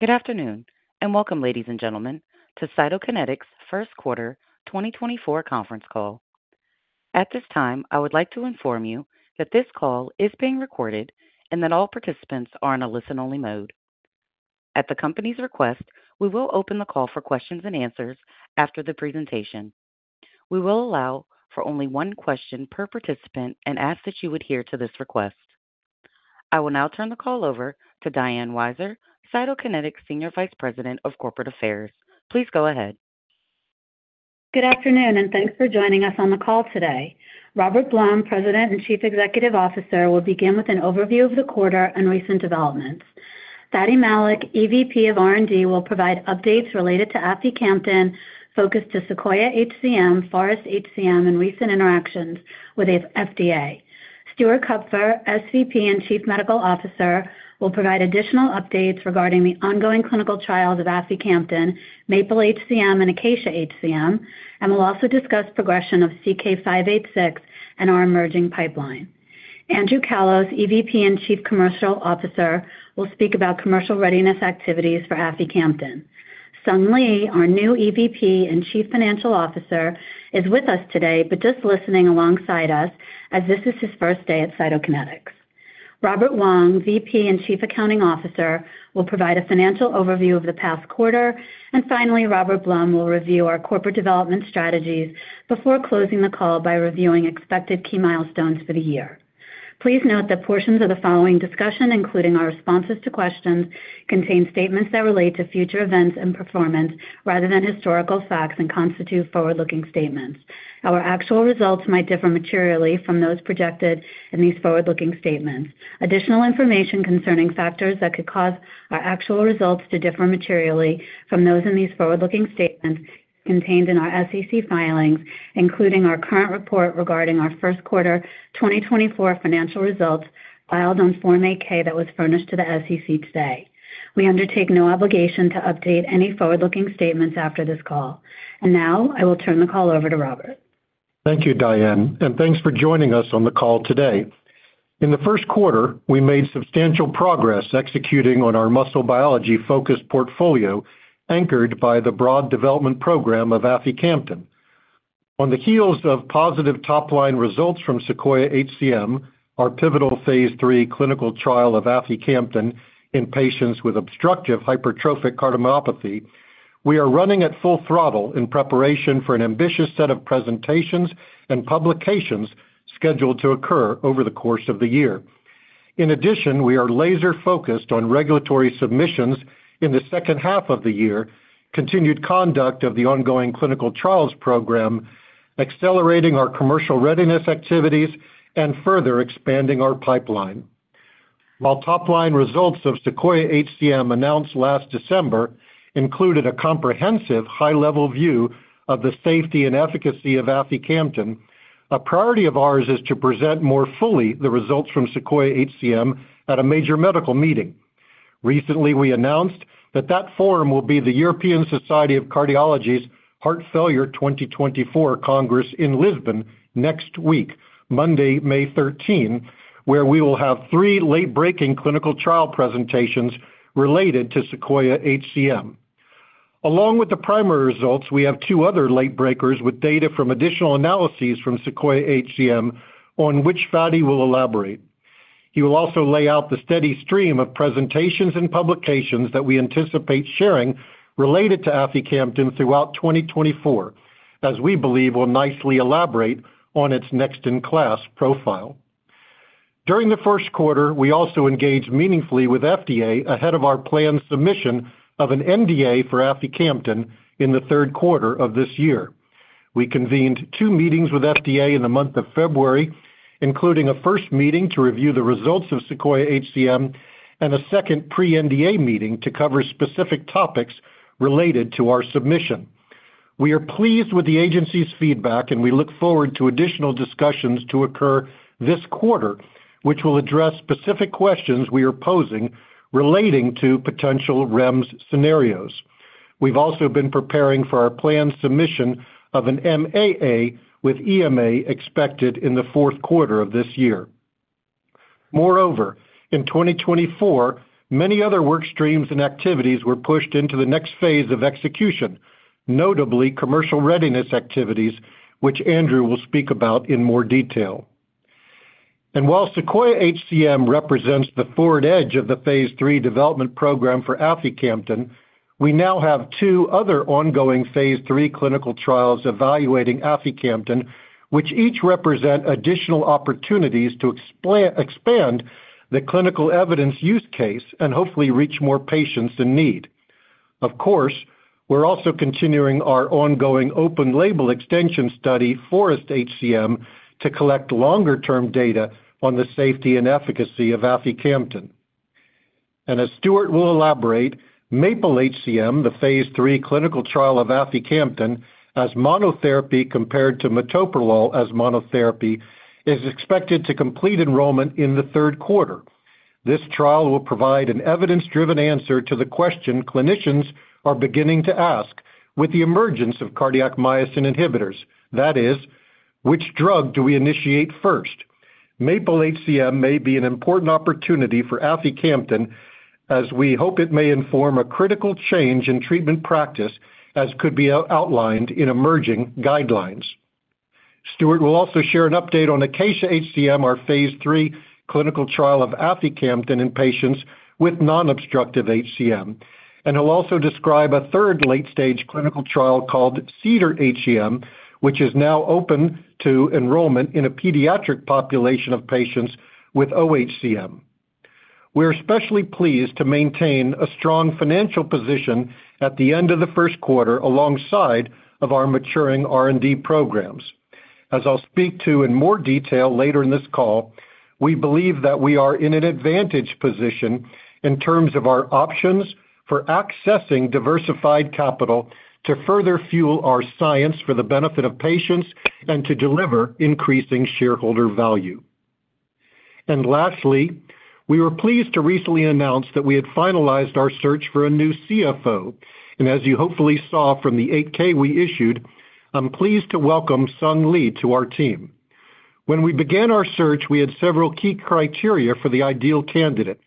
Good afternoon, and welcome, ladies and gentlemen, to Cytokinetics' first quarter 2024 conference call. At this time, I would like to inform you that this call is being recorded and that all participants are in a listen-only mode. At the company's request, we will open the call for questions and answers after the presentation. We will allow for only one question per participant and ask that you adhere to this request. I will now turn the call over to Diane Weiser, Cytokinetics' Senior Vice President of Corporate Affairs. Please go ahead. Good afternoon, and thanks for joining us on the call today. Robert Blum, President and Chief Executive Officer, will begin with an overview of the quarter and recent developments. Fady Malik, EVP of R&D, will provide updates related to aficamten, focused to SEQUOIA HCM, FOREST-HCM, and recent interactions with the FDA. Stuart Kupfer, SVP and Chief Medical Officer, will provide additional updates regarding the ongoing clinical trials of aficamten, MAPLE-HCM, and ACACIA-HCM, and will also discuss progression of CK-586 and our emerging pipeline. Andrew Callos, EVP and Chief Commercial Officer, will speak about commercial readiness activities for aficamten. Sung Lee, our new EVP and Chief Financial Officer, is with us today, but just listening alongside us as this is his first day at Cytokinetics. Robert Wong, VP and Chief Accounting Officer, will provide a financial overview of the past quarter. And finally, Robert Blum will review our corporate development strategies before closing the call by reviewing expected key milestones for the year. Please note that portions of the following discussion, including our responses to questions, contain statements that relate to future events and performance rather than historical facts and constitute forward-looking statements. Our actual results might differ materially from those projected in these forward-looking statements. Additional information concerning factors that could cause our actual results to differ materially from those in these forward-looking statements contained in our SEC filings, including our current report regarding our first quarter 2024 financial results, filed on Form 8-K that was furnished to the SEC today. We undertake no obligation to update any forward-looking statements after this call. And now, I will turn the call over to Robert. Thank you, Diane, and thanks for joining us on the call today. In the first quarter, we made substantial progress executing on our muscle biology-focused portfolio, anchored by the broad development program of aficamten. On the heels of positive top-line results from SEQUOIA-HCM, our pivotal phase III clinical trial of aficamten in patients with obstructive hypertrophic cardiomyopathy, we are running at full throttle in preparation for an ambitious set of presentations and publications scheduled to occur over the course of the year. In addition, we are laser-focused on regulatory submissions in the second half of the year, continued conduct of the ongoing clinical trials program, accelerating our commercial readiness activities, and further expanding our pipeline. While top-line results of SEQUOIA-HCM announced last December included a comprehensive high-level view of the safety and efficacy of aficamten, a priority of ours is to present more fully the results from SEQUOIA-HCM at a major medical meeting. Recently, we announced that that forum will be the European Society of Cardiology's Heart Failure 2024 Congress in Lisbon next week, Monday, May 13, where we will have three late-breaking clinical trial presentations related to SEQUOIA-HCM. Along with the primary results, we have two other late breakers with data from additional analyses from SEQUOIA-HCM, on which Fady will elaborate. He will also lay out the steady stream of presentations and publications that we anticipate sharing related to aficamten throughout 2024, as we believe will nicely elaborate on its next-in-class profile. During the first quarter, we also engaged meaningfully with FDA ahead of our planned submission of an NDA for aficamten in the third quarter of this year. We convened 2 meetings with FDA in the month of February, including a first meeting to review the results of SEQUOIA-HCM and a second pre-NDA meeting to cover specific topics related to our submission. We are pleased with the agency's feedback, and we look forward to additional discussions to occur this quarter, which will address specific questions we are posing relating to potential REMS scenarios. We've also been preparing for our planned submission of an MAA with EMA expected in the fourth quarter of this year. Moreover, in 2024, many other work streams and activities were pushed into the next phase of execution, notably commercial readiness activities, which Andrew will speak about in more detail. While SEQUOIA-HCM represents the forward edge of the Phase 3 development program for aficamten, we now have two other ongoing Phase 3 clinical trials evaluating aficamten, which each represent additional opportunities to expand the clinical evidence use case and hopefully reach more patients in need. Of course, we're also continuing our ongoing open-label extension study, FOREST-HCM, to collect longer-term data on the safety and efficacy of aficamten. And as Stuart will elaborate, MAPLE-HCM, the Phase 3 clinical trial of aficamten as monotherapy compared to metoprolol as monotherapy, is expected to complete enrollment in the third quarter. This trial will provide an evidence-driven answer to the question clinicians are beginning to ask with the emergence of cardiac myosin inhibitors. That is, which drug do we initiate first?... MAPLE-HCM may be an important opportunity for aficamten, as we hope it may inform a critical change in treatment practice, as could be outlined in emerging guidelines. Stuart will also share an update on ACACIA-HCM, our phase 3 clinical trial of aficamten in patients with non-obstructive HCM, and he'll also describe a third late-stage clinical trial called CEDAR-HCM, which is now open to enrollment in a pediatric population of patients with oHCM. We're especially pleased to maintain a strong financial position at the end of the first quarter, alongside of our maturing R&D programs. As I'll speak to in more detail later in this call, we believe that we are in an advantage position in terms of our options for accessing diversified capital to further fuel our science for the benefit of patients and to deliver increasing shareholder value. Lastly, we were pleased to recently announce that we had finalized our search for a new CFO, and as you hopefully saw from the 8-K we issued, I'm pleased to welcome Sung Lee to our team. When we began our search, we had several key criteria for the ideal candidate,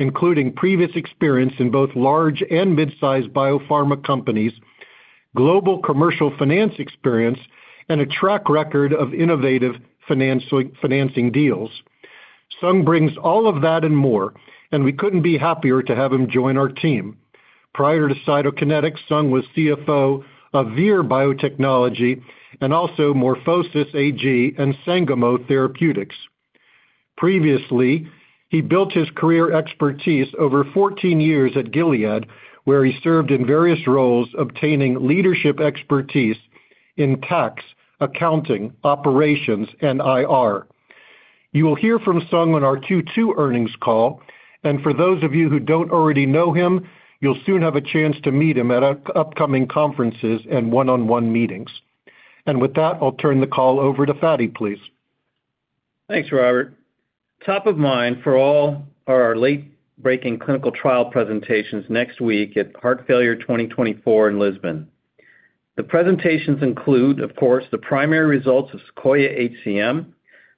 including previous experience in both large and mid-sized biopharma companies, global commercial finance experience, and a track record of innovative financing, financing deals. Sung brings all of that and more, and we couldn't be happier to have him join our team. Prior to Cytokinetics, Sung was CFO of Vir Biotechnology and also MorphoSys AG and Sangamo Therapeutics. Previously, he built his career expertise over 14 years at Gilead, where he served in various roles, obtaining leadership expertise in tax, accounting, operations, and IR. You will hear from Sung on our Q2 earnings call, and for those of you who don't already know him, you'll soon have a chance to meet him at our upcoming conferences and one-on-one meetings. And with that, I'll turn the call over to Fady, please. Thanks, Robert. Top of mind for all are our late-breaking clinical trial presentations next week at Heart Failure 2024 in Lisbon. The presentations include, of course, the primary results of SEQUOIA-HCM,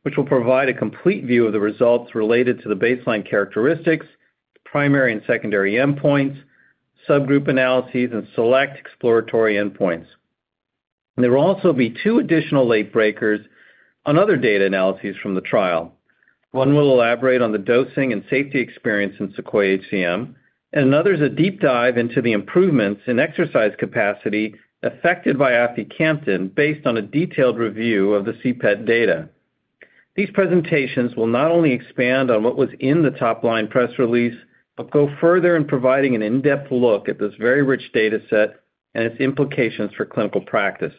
which will provide a complete view of the results related to the baseline characteristics, primary and secondary endpoints, subgroup analyses, and select exploratory endpoints. There will also be two additional late breakers on other data analyses from the trial. One will elaborate on the dosing and safety experience in SEQUOIA-HCM, and another is a deep dive into the improvements in exercise capacity affected by aficamten, based on a detailed review of the CPET data. These presentations will not only expand on what was in the top-line press release, but go further in providing an in-depth look at this very rich data set and its implications for clinical practice.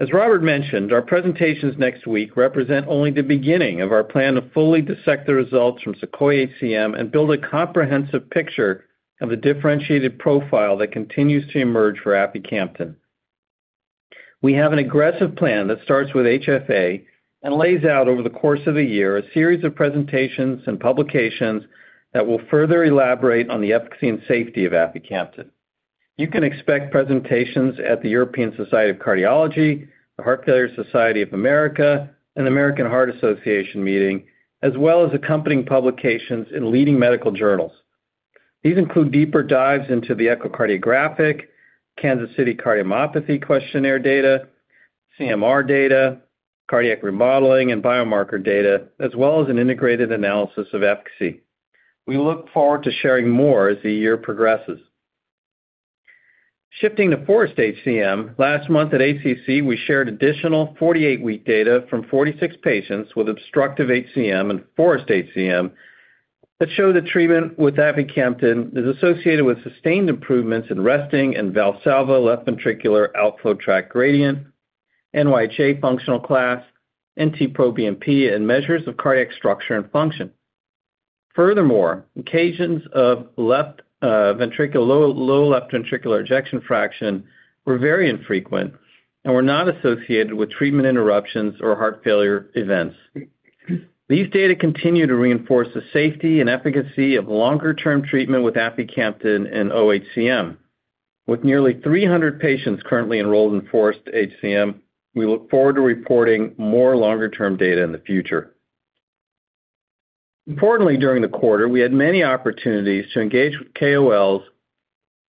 As Robert mentioned, our presentations next week represent only the beginning of our plan to fully dissect the results from SEQUOIA-HCM and build a comprehensive picture of a differentiated profile that continues to emerge for aficamten. We have an aggressive plan that starts with HFA and lays out over the course of a year, a series of presentations and publications that will further elaborate on the efficacy and safety of aficamten. You can expect presentations at the European Society of Cardiology, the Heart Failure Society of America, and American Heart Association meeting, as well as accompanying publications in leading medical journals. These include deeper dives into the echocardiographic, Kansas City Cardiomyopathy Questionnaire data, CMR data, cardiac remodeling, and biomarker data, as well as an integrated analysis of efficacy. We look forward to sharing more as the year progresses. Shifting to FOREST-HCM, last month at ACC, we shared additional 48-week data from 46 patients with obstructive HCM and FOREST-HCM that show the treatment with aficamten is associated with sustained improvements in resting and Valsalva left ventricular outflow tract gradient, NYHA functional class, NT-proBNP, and measures of cardiac structure and function. Furthermore, occasions of left ventricular ejection fraction were very infrequent and were not associated with treatment interruptions or heart failure events. These data continue to reinforce the safety and efficacy of longer-term treatment with aficamten in OHCM. With nearly 300 patients currently enrolled in FOREST-HCM, we look forward to reporting more longer-term data in the future. Importantly, during the quarter, we had many opportunities to engage with KOLs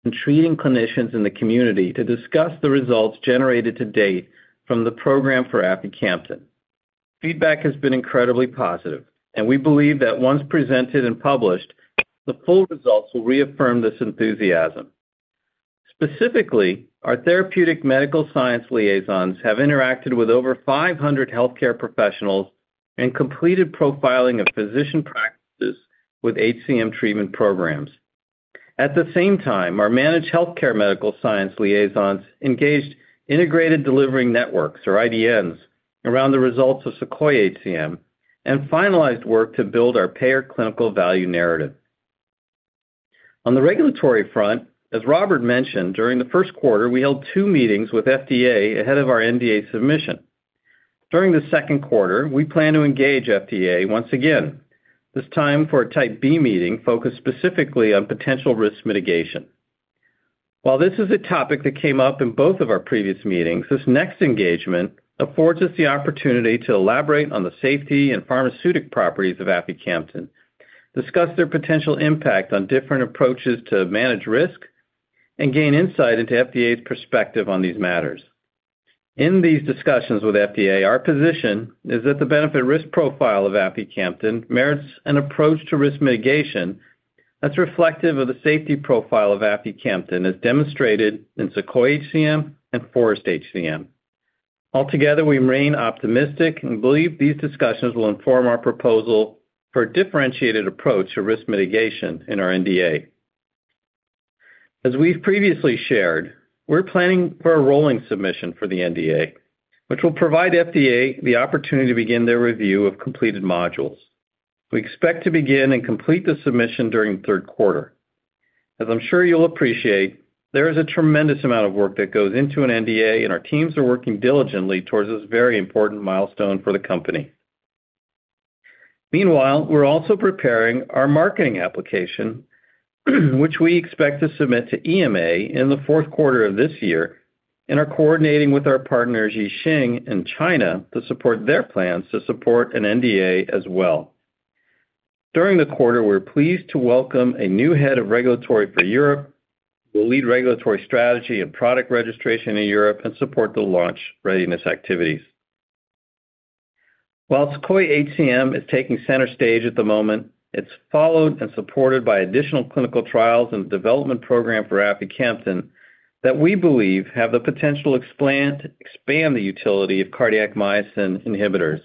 and treating clinicians in the community to discuss the results generated to date from the program for aficamten. Feedback has been incredibly positive, and we believe that once presented and published, the full results will reaffirm this enthusiasm. Specifically, our therapeutic medical science liaisons have interacted with over 500 healthcare professionals and completed profiling of physician practices with HCM treatment programs. At the same time, our managed healthcare medical science liaisons engaged integrated delivery networks, or IDNs, around the results of SEQUOIA-HCM and finalized work to build our payer clinical value narrative. On the regulatory front, as Robert mentioned, during the first quarter, we held 2 meetings with FDA ahead of our NDA submission. During the second quarter, we plan to engage FDA once again, this time for a Type B meeting focused specifically on potential risk mitigation. While this is a topic that came up in both of our previous meetings, this next engagement affords us the opportunity to elaborate on the safety and pharmaceutical properties of aficamten, discuss their potential impact on different approaches to manage risk, and gain insight into FDA's perspective on these matters. In these discussions with FDA, our position is that the benefit risk profile of aficamten merits an approach to risk mitigation that's reflective of the safety profile of aficamten, as demonstrated in SEQUOIA-HCM and FOREST-HCM. Altogether, we remain optimistic and believe these discussions will inform our proposal for a differentiated approach to risk mitigation in our NDA. As we've previously shared, we're planning for a rolling submission for the NDA, which will provide FDA the opportunity to begin their review of completed modules. We expect to begin and complete the submission during the third quarter. As I'm sure you'll appreciate, there is a tremendous amount of work that goes into an NDA, and our teams are working diligently towards this very important milestone for the company. Meanwhile, we're also preparing our marketing application, which we expect to submit to EMA in the fourth quarter of this year, and are coordinating with our partner, Ji Xing, in China to support their plans to support an NDA as well. During the quarter, we're pleased to welcome a new head of regulatory for Europe, who will lead regulatory strategy and product registration in Europe and support the launch readiness activities. While SEQUOIA-HCM is taking center stage at the moment, it's followed and supported by additional clinical trials and development program for aficamten that we believe have the potential expand the utility of cardiac myosin inhibitors.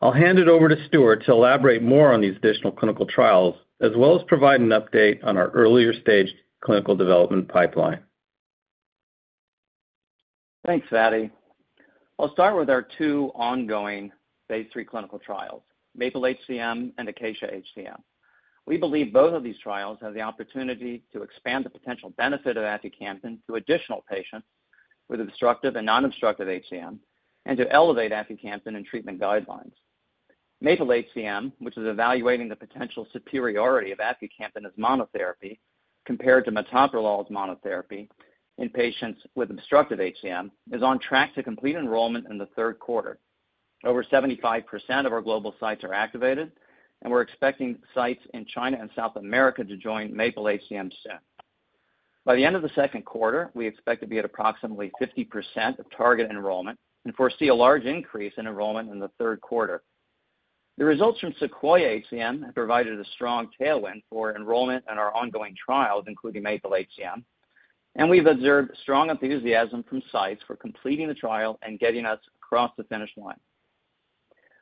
I'll hand it over to Stuart to elaborate more on these additional clinical trials, as well as provide an update on our earlier stage clinical development pipeline. Thanks, Fady. I'll start with our two ongoing Phase 3 clinical trials, MAPLE-HCM and ACACIA-HCM. We believe both of these trials have the opportunity to expand the potential benefit of aficamten to additional patients with obstructive and non-obstructive HCM, and to elevate aficamten in treatment guidelines. MAPLE-HCM, which is evaluating the potential superiority of aficamten as monotherapy compared to metoprolol as monotherapy in patients with obstructive HCM, is on track to complete enrollment in the third quarter. Over 75% of our global sites are activated, and we're expecting sites in China and South America to join MAPLE-HCM soon. By the end of the second quarter, we expect to be at approximately 50% of target enrollment and foresee a large increase in enrollment in the third quarter. The results from SEQUOIA-HCM have provided a strong tailwind for enrollment in our ongoing trials, including MAPLE-HCM, and we've observed strong enthusiasm from sites for completing the trial and getting us across the finish line.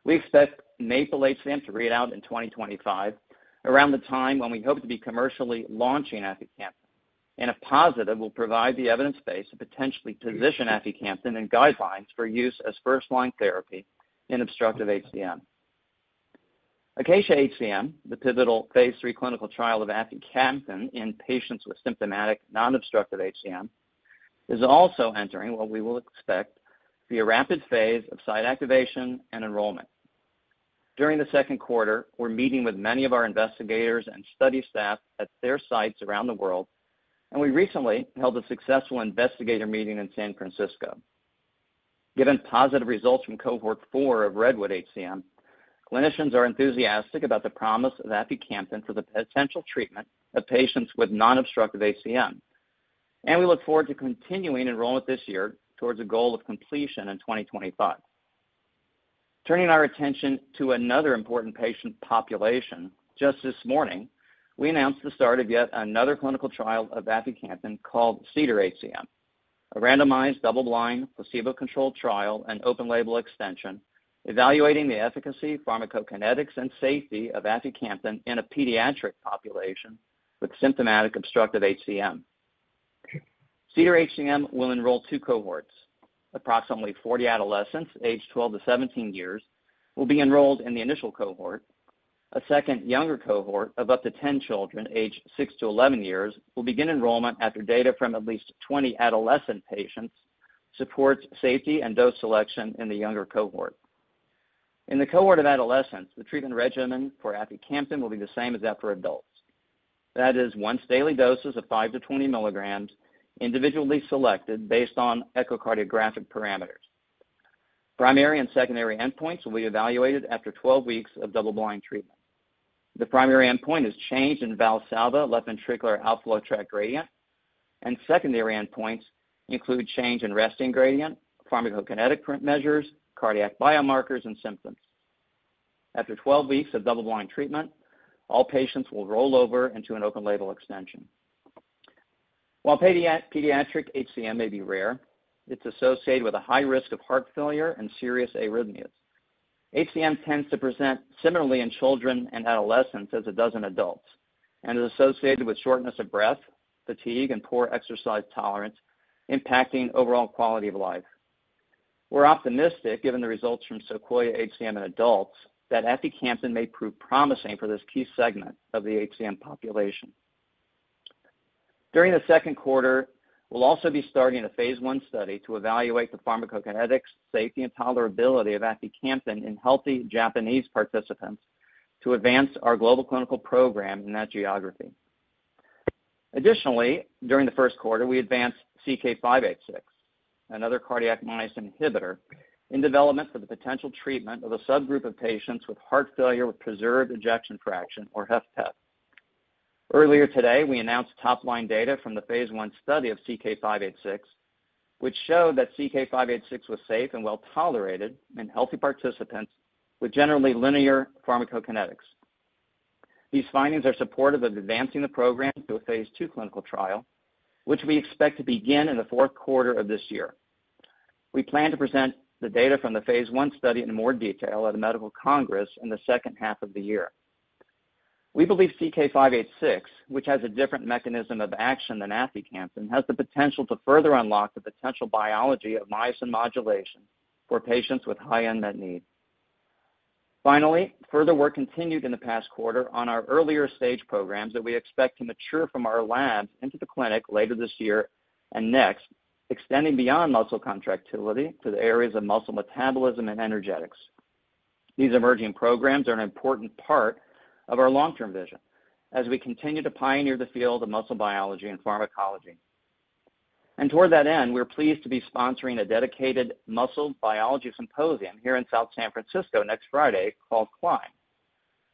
We expect MAPLE-HCM to read out in 2025, around the time when we hope to be commercially launching aficamten, and if positive, will provide the evidence base to potentially position aficamten in guidelines for use as first-line therapy in Obstructive HCM. ACACIA-HCM, the pivotal Phase 3 clinical trial of aficamten in patients with symptomatic Non-obstructive HCM, is also entering what we expect will be a rapid phase of site activation and enrollment. During the second quarter, we're meeting with many of our investigators and study staff at their sites around the world, and we recently held a successful investigator meeting in San Francisco. Given positive results from Cohort 4 of REDWOOD-HCM, clinicians are enthusiastic about the promise of aficamten for the potential treatment of patients with non-obstructive HCM, and we look forward to continuing enrollment this year towards a goal of completion in 2025. Turning our attention to another important patient population, just this morning, we announced the start of yet another clinical trial of aficamten called CEDAR-HCM, a randomized, double-blind, placebo-controlled trial and open label extension evaluating the efficacy, pharmacokinetics, and safety of aficamten in a pediatric population with symptomatic obstructive HCM. CEDAR-HCM will enroll two cohorts. Approximately 40 adolescents aged 12-17 years will be enrolled in the initial cohort. A second younger cohort of up to 10 children aged 6-11 years will begin enrollment after data from at least 20 adolescent patients supports safety and dose selection in the younger cohort. In the cohort of adolescents, the treatment regimen for aficamten will be the same as that for adults. That is, once daily doses of 5-20 milligrams, individually selected based on echocardiographic parameters. Primary and secondary endpoints will be evaluated after 12 weeks of double-blind treatment. The primary endpoint is change in Valsalva left ventricular outflow tract gradient, and secondary endpoints include change in resting gradient, pharmacokinetic profile measures, cardiac biomarkers, and symptoms. After 12 weeks of double-blind treatment, all patients will roll over into an open-label extension. While pediatric HCM may be rare, it's associated with a high risk of heart failure and serious arrhythmias. HCM tends to present similarly in children and adolescents as it does in adults, and is associated with shortness of breath, fatigue, and poor exercise tolerance, impacting overall quality of life. We're optimistic, given the results from SEQUOIA-HCM in adults, that aficamten may prove promising for this key segment of the HCM population. During the second quarter, we'll also be starting a phase I study to evaluate the pharmacokinetics, safety, and tolerability of aficamten in healthy Japanese participants.... to advance our global clinical program in that geography. Additionally, during the first quarter, we advanced CK-586, another cardiac myosin inhibitor, in development for the potential treatment of a subgroup of patients with heart failure with preserved ejection fraction, or HFpEF. Earlier today, we announced top-line data from the phase I study of CK-586, which showed that CK-586 was safe and well-tolerated in healthy participants with generally linear pharmacokinetics. These findings are supportive of advancing the program to a phase II clinical trial, which we expect to begin in the fourth quarter of this year. We plan to present the data from the phase I study in more detail at a medical congress in the second half of the year. We believe CK-586, which has a different mechanism of action than aficamten, has the potential to further unlock the potential biology of myosin modulation for patients with high unmet need. Finally, further work continued in the past quarter on our earlier-stage programs that we expect to mature from our labs into the clinic later this year and next, extending beyond muscle contractility to the areas of muscle metabolism and energetics. These emerging programs are an important part of our long-term vision as we continue to pioneer the field of muscle biology and pharmacology. Toward that end, we're pleased to be sponsoring a dedicated muscle biology symposium here in South San Francisco next Friday called CLIMB: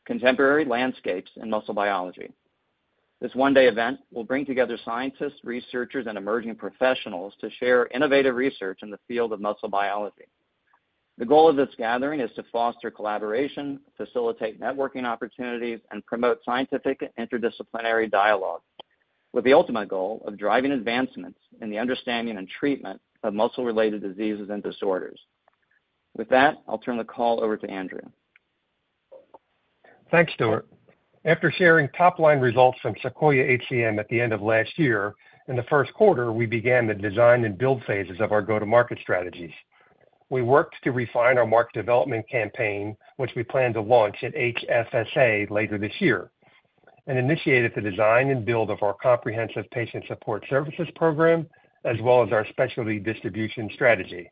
Contemporary Landscapes in Muscle Biology. This one-day event will bring together scientists, researchers, and emerging professionals to share innovative research in the field of muscle biology. The goal of this gathering is to foster collaboration, facilitate networking opportunities, and promote scientific interdisciplinary dialogue, with the ultimate goal of driving advancements in the understanding and treatment of muscle-related diseases and disorders. With that, I'll turn the call over to Andrew. Thanks, Stuart. After sharing top-line results from SEQUOIA-HCM at the end of last year, in the first quarter, we began the design and build phases of our go-to-market strategies. We worked to refine our market development campaign, which we plan to launch at HFSA later this year, and initiated the design and build of our comprehensive patient support services program, as well as our specialty distribution strategy.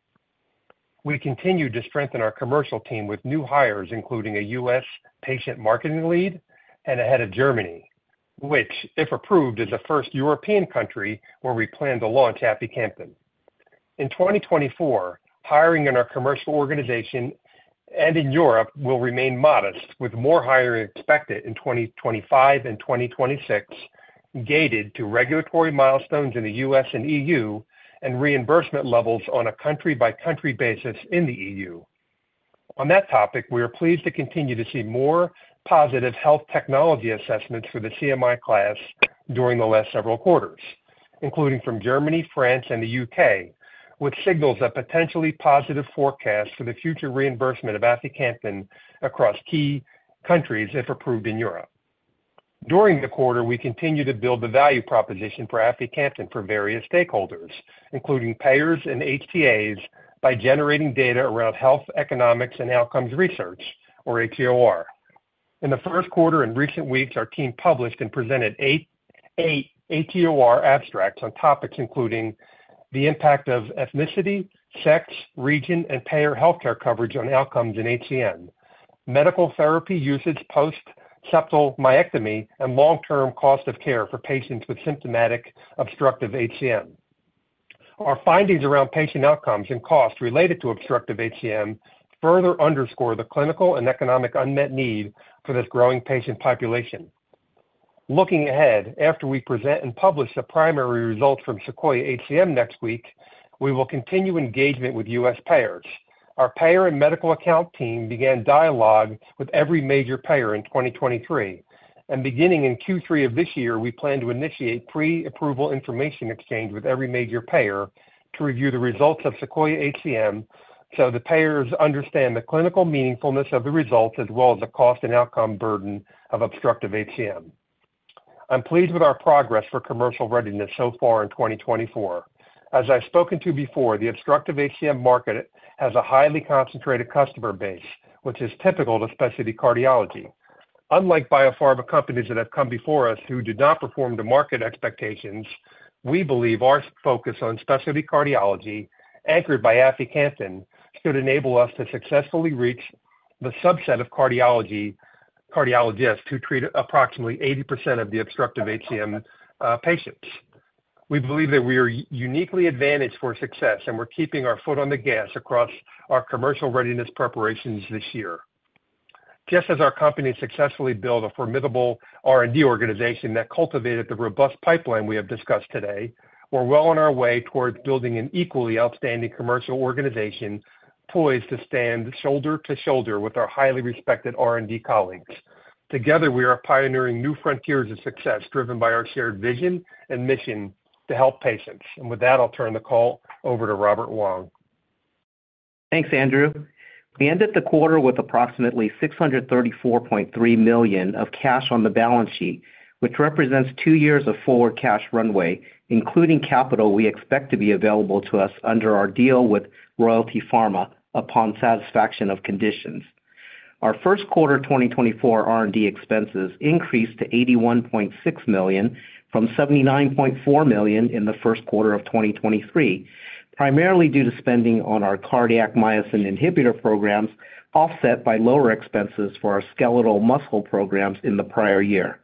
We continued to strengthen our commercial team with new hires, including a U.S. patient marketing lead and a head of Germany, which, if approved, is the first European country where we plan to launch aficamten. In 2024, hiring in our commercial organization and in Europe will remain modest, with more hiring expected in 2025 and 2026, gated to regulatory milestones in the U.S. and EU and reimbursement levels on a country-by-country basis in the EU. On that topic, we are pleased to continue to see more positive health technology assessments for the CMI class during the last several quarters, including from Germany, France, and the UK, which signals a potentially positive forecast for the future reimbursement of aficamten across key countries, if approved in Europe. During the quarter, we continued to build the value proposition for aficamten for various stakeholders, including payers and HTAs, by generating data around health, economics, and outcomes research, or HEOR. In the first quarter, in recent weeks, our team published and presented 8 HEOR abstracts on topics including the impact of ethnicity, sex, region, and payer healthcare coverage on outcomes in HCM, medical therapy usage, post-septal myectomy, and long-term cost of care for patients with symptomatic obstructive HCM. Our findings around patient outcomes and costs related to obstructive HCM further underscore the clinical and economic unmet need for this growing patient population. Looking ahead, after we present and publish the primary results from SEQUOIA-HCM next week, we will continue engagement with US payers. Our payer and medical account team began dialogue with every major payer in 2023, and beginning in Q3 of this year, we plan to initiate pre-approval information exchange with every major payer to review the results of SEQUOIA-HCM, so the payers understand the clinical meaningfulness of the results, as well as the cost and outcome burden of obstructive HCM. I'm pleased with our progress for commercial readiness so far in 2024. As I've spoken to before, the obstructive HCM market has a highly concentrated customer base, which is typical to specialty cardiology. Unlike biopharma companies that have come before us who did not perform to market expectations, we believe our focus on specialty cardiology, anchored by aficamten, should enable us to successfully reach the subset of cardiologists who treat approximately 80% of the obstructive HCM patients. We believe that we are uniquely advantaged for success, and we're keeping our foot on the gas across our commercial readiness preparations this year. Just as our company successfully built a formidable R&D organization that cultivated the robust pipeline we have discussed today, we're well on our way towards building an equally outstanding commercial organization, poised to stand shoulder to shoulder with our highly respected R&D colleagues. Together, we are pioneering new frontiers of success, driven by our shared vision and mission to help patients. And with that, I'll turn the call over to Robert Wong. Thanks, Andrew. We ended the quarter with approximately $634.3 million of cash on the balance sheet, which represents two years of forward cash runway, including capital we expect to be available to us under our deal with Royalty Pharma upon satisfaction of conditions. Our first quarter 2024 R&D expenses increased to $81.6 million from $79.4 million in the first quarter of 2023. primarily due to spending on our cardiac myosin inhibitor programs, offset by lower expenses for our skeletal muscle programs in the prior year.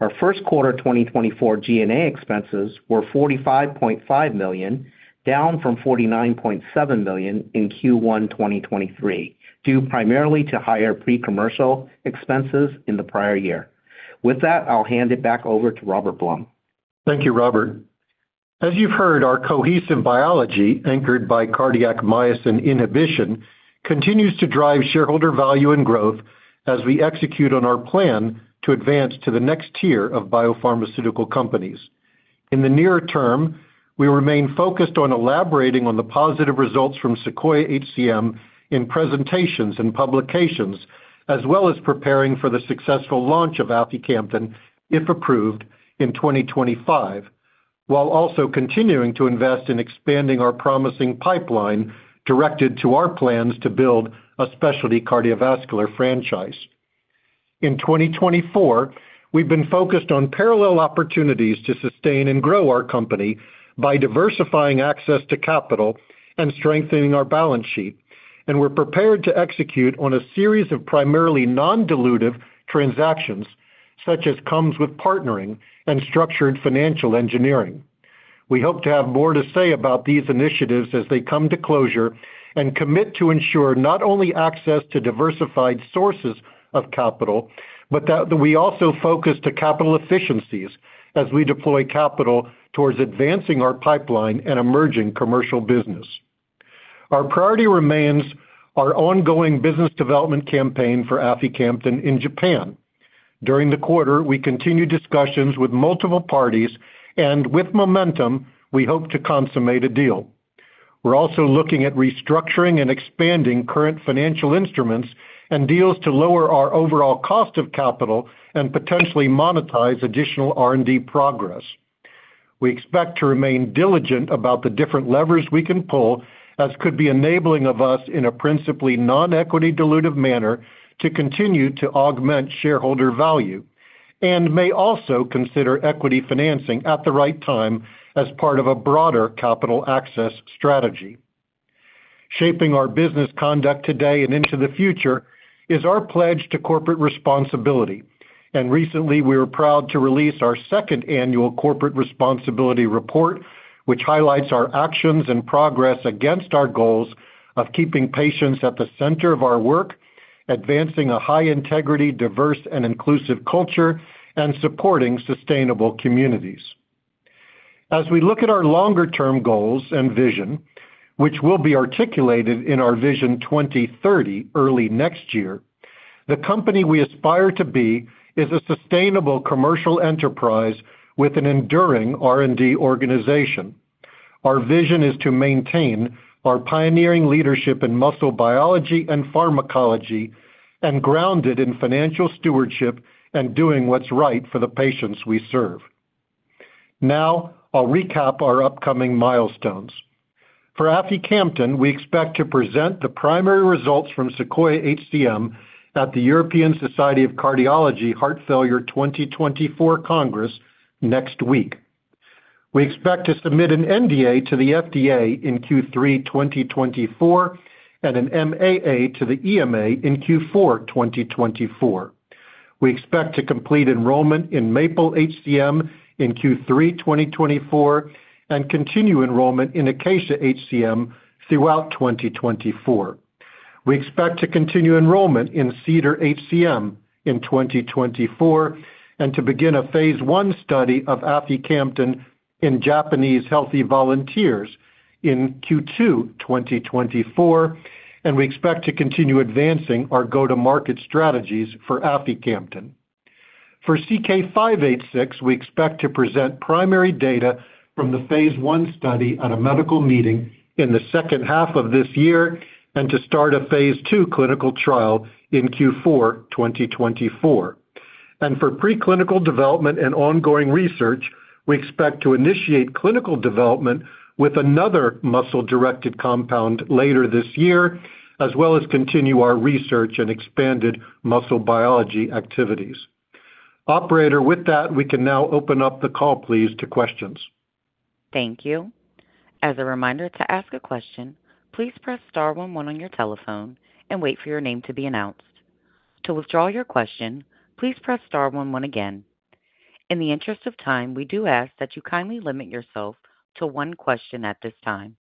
Our first quarter 2024 G&A expenses were $45.5 million, down from $49.7 million in Q1 2023, due primarily to higher pre-commercial expenses in the prior year. With that, I'll hand it back over to Robert Blum. Thank you, Robert. As you've heard, our cohesive biology, anchored by cardiac myosin inhibition, continues to drive shareholder value and growth as we execute on our plan to advance to the next tier of biopharmaceutical companies. In the nearer term, we remain focused on elaborating on the positive results from SEQUOIA-HCM in presentations and publications, as well as preparing for the successful launch of aficamten, if approved, in 2025, while also continuing to invest in expanding our promising pipeline directed to our plans to build a specialty cardiovascular franchise. In 2024, we've been focused on parallel opportunities to sustain and grow our company by diversifying access to capital and strengthening our balance sheet. We're prepared to execute on a series of primarily non-dilutive transactions, such as comes with partnering and structured financial engineering. We hope to have more to say about these initiatives as they come to closure and commit to ensure not only access to diversified sources of capital, but that we also focus to capital efficiencies as we deploy capital towards advancing our pipeline and emerging commercial business. Our priority remains our ongoing business development campaign for aficamten in Japan. During the quarter, we continued discussions with multiple parties, and with momentum, we hope to consummate a deal. We're also looking at restructuring and expanding current financial instruments and deals to lower our overall cost of capital and potentially monetize additional R&D progress. We expect to remain diligent about the different levers we can pull, as could be enabling of us in a principally non-equity dilutive manner, to continue to augment shareholder value, and may also consider equity financing at the right time as part of a broader capital access strategy. Shaping our business conduct today and into the future is our pledge to corporate responsibility. Recently, we were proud to release our second annual corporate responsibility report, which highlights our actions and progress against our goals of keeping patients at the center of our work, advancing a high-integrity, diverse, and inclusive culture, and supporting sustainable communities. As we look at our longer-term goals and vision, which will be articulated in our Vision 2030 early next year, the company we aspire to be is a sustainable commercial enterprise with an enduring R&D organization. Our vision is to maintain our pioneering leadership in muscle biology and pharmacology, and grounded in financial stewardship and doing what's right for the patients we serve. Now, I'll recap our upcoming milestones. For aficamten, we expect to present the primary results from SEQUOIA-HCM at the European Society of Cardiology Heart Failure 2024 Congress next week. We expect to submit an NDA to the FDA in Q3 2024 and an MAA to the EMA in Q4 2024. We expect to complete enrollment in MAPLE-HCM in Q3 2024 and continue enrollment in ACACIA-HCM throughout 2024. We expect to continue enrollment in CEDAR-HCM in 2024 and to begin a phase I study of aficamten in Japanese healthy volunteers in Q2 2024, and we expect to continue advancing our go-to-market strategies for aficamten. For CK-586, we expect to present primary data from the phase I study at a medical meeting in the second half of this year and to start a phase II clinical trial in Q4 2024. For preclinical development and ongoing research, we expect to initiate clinical development with another muscle-directed compound later this year, as well as continue our research and expanded muscle biology activities. Operator, with that, we can now open up the call, please, to questions. Thank you. As a reminder to ask a question, please press star one one on your telephone and wait for your name to be announced. To withdraw your question, please press star one one again. In the interest of time, we do ask that you kindly limit yourself to one question at this time.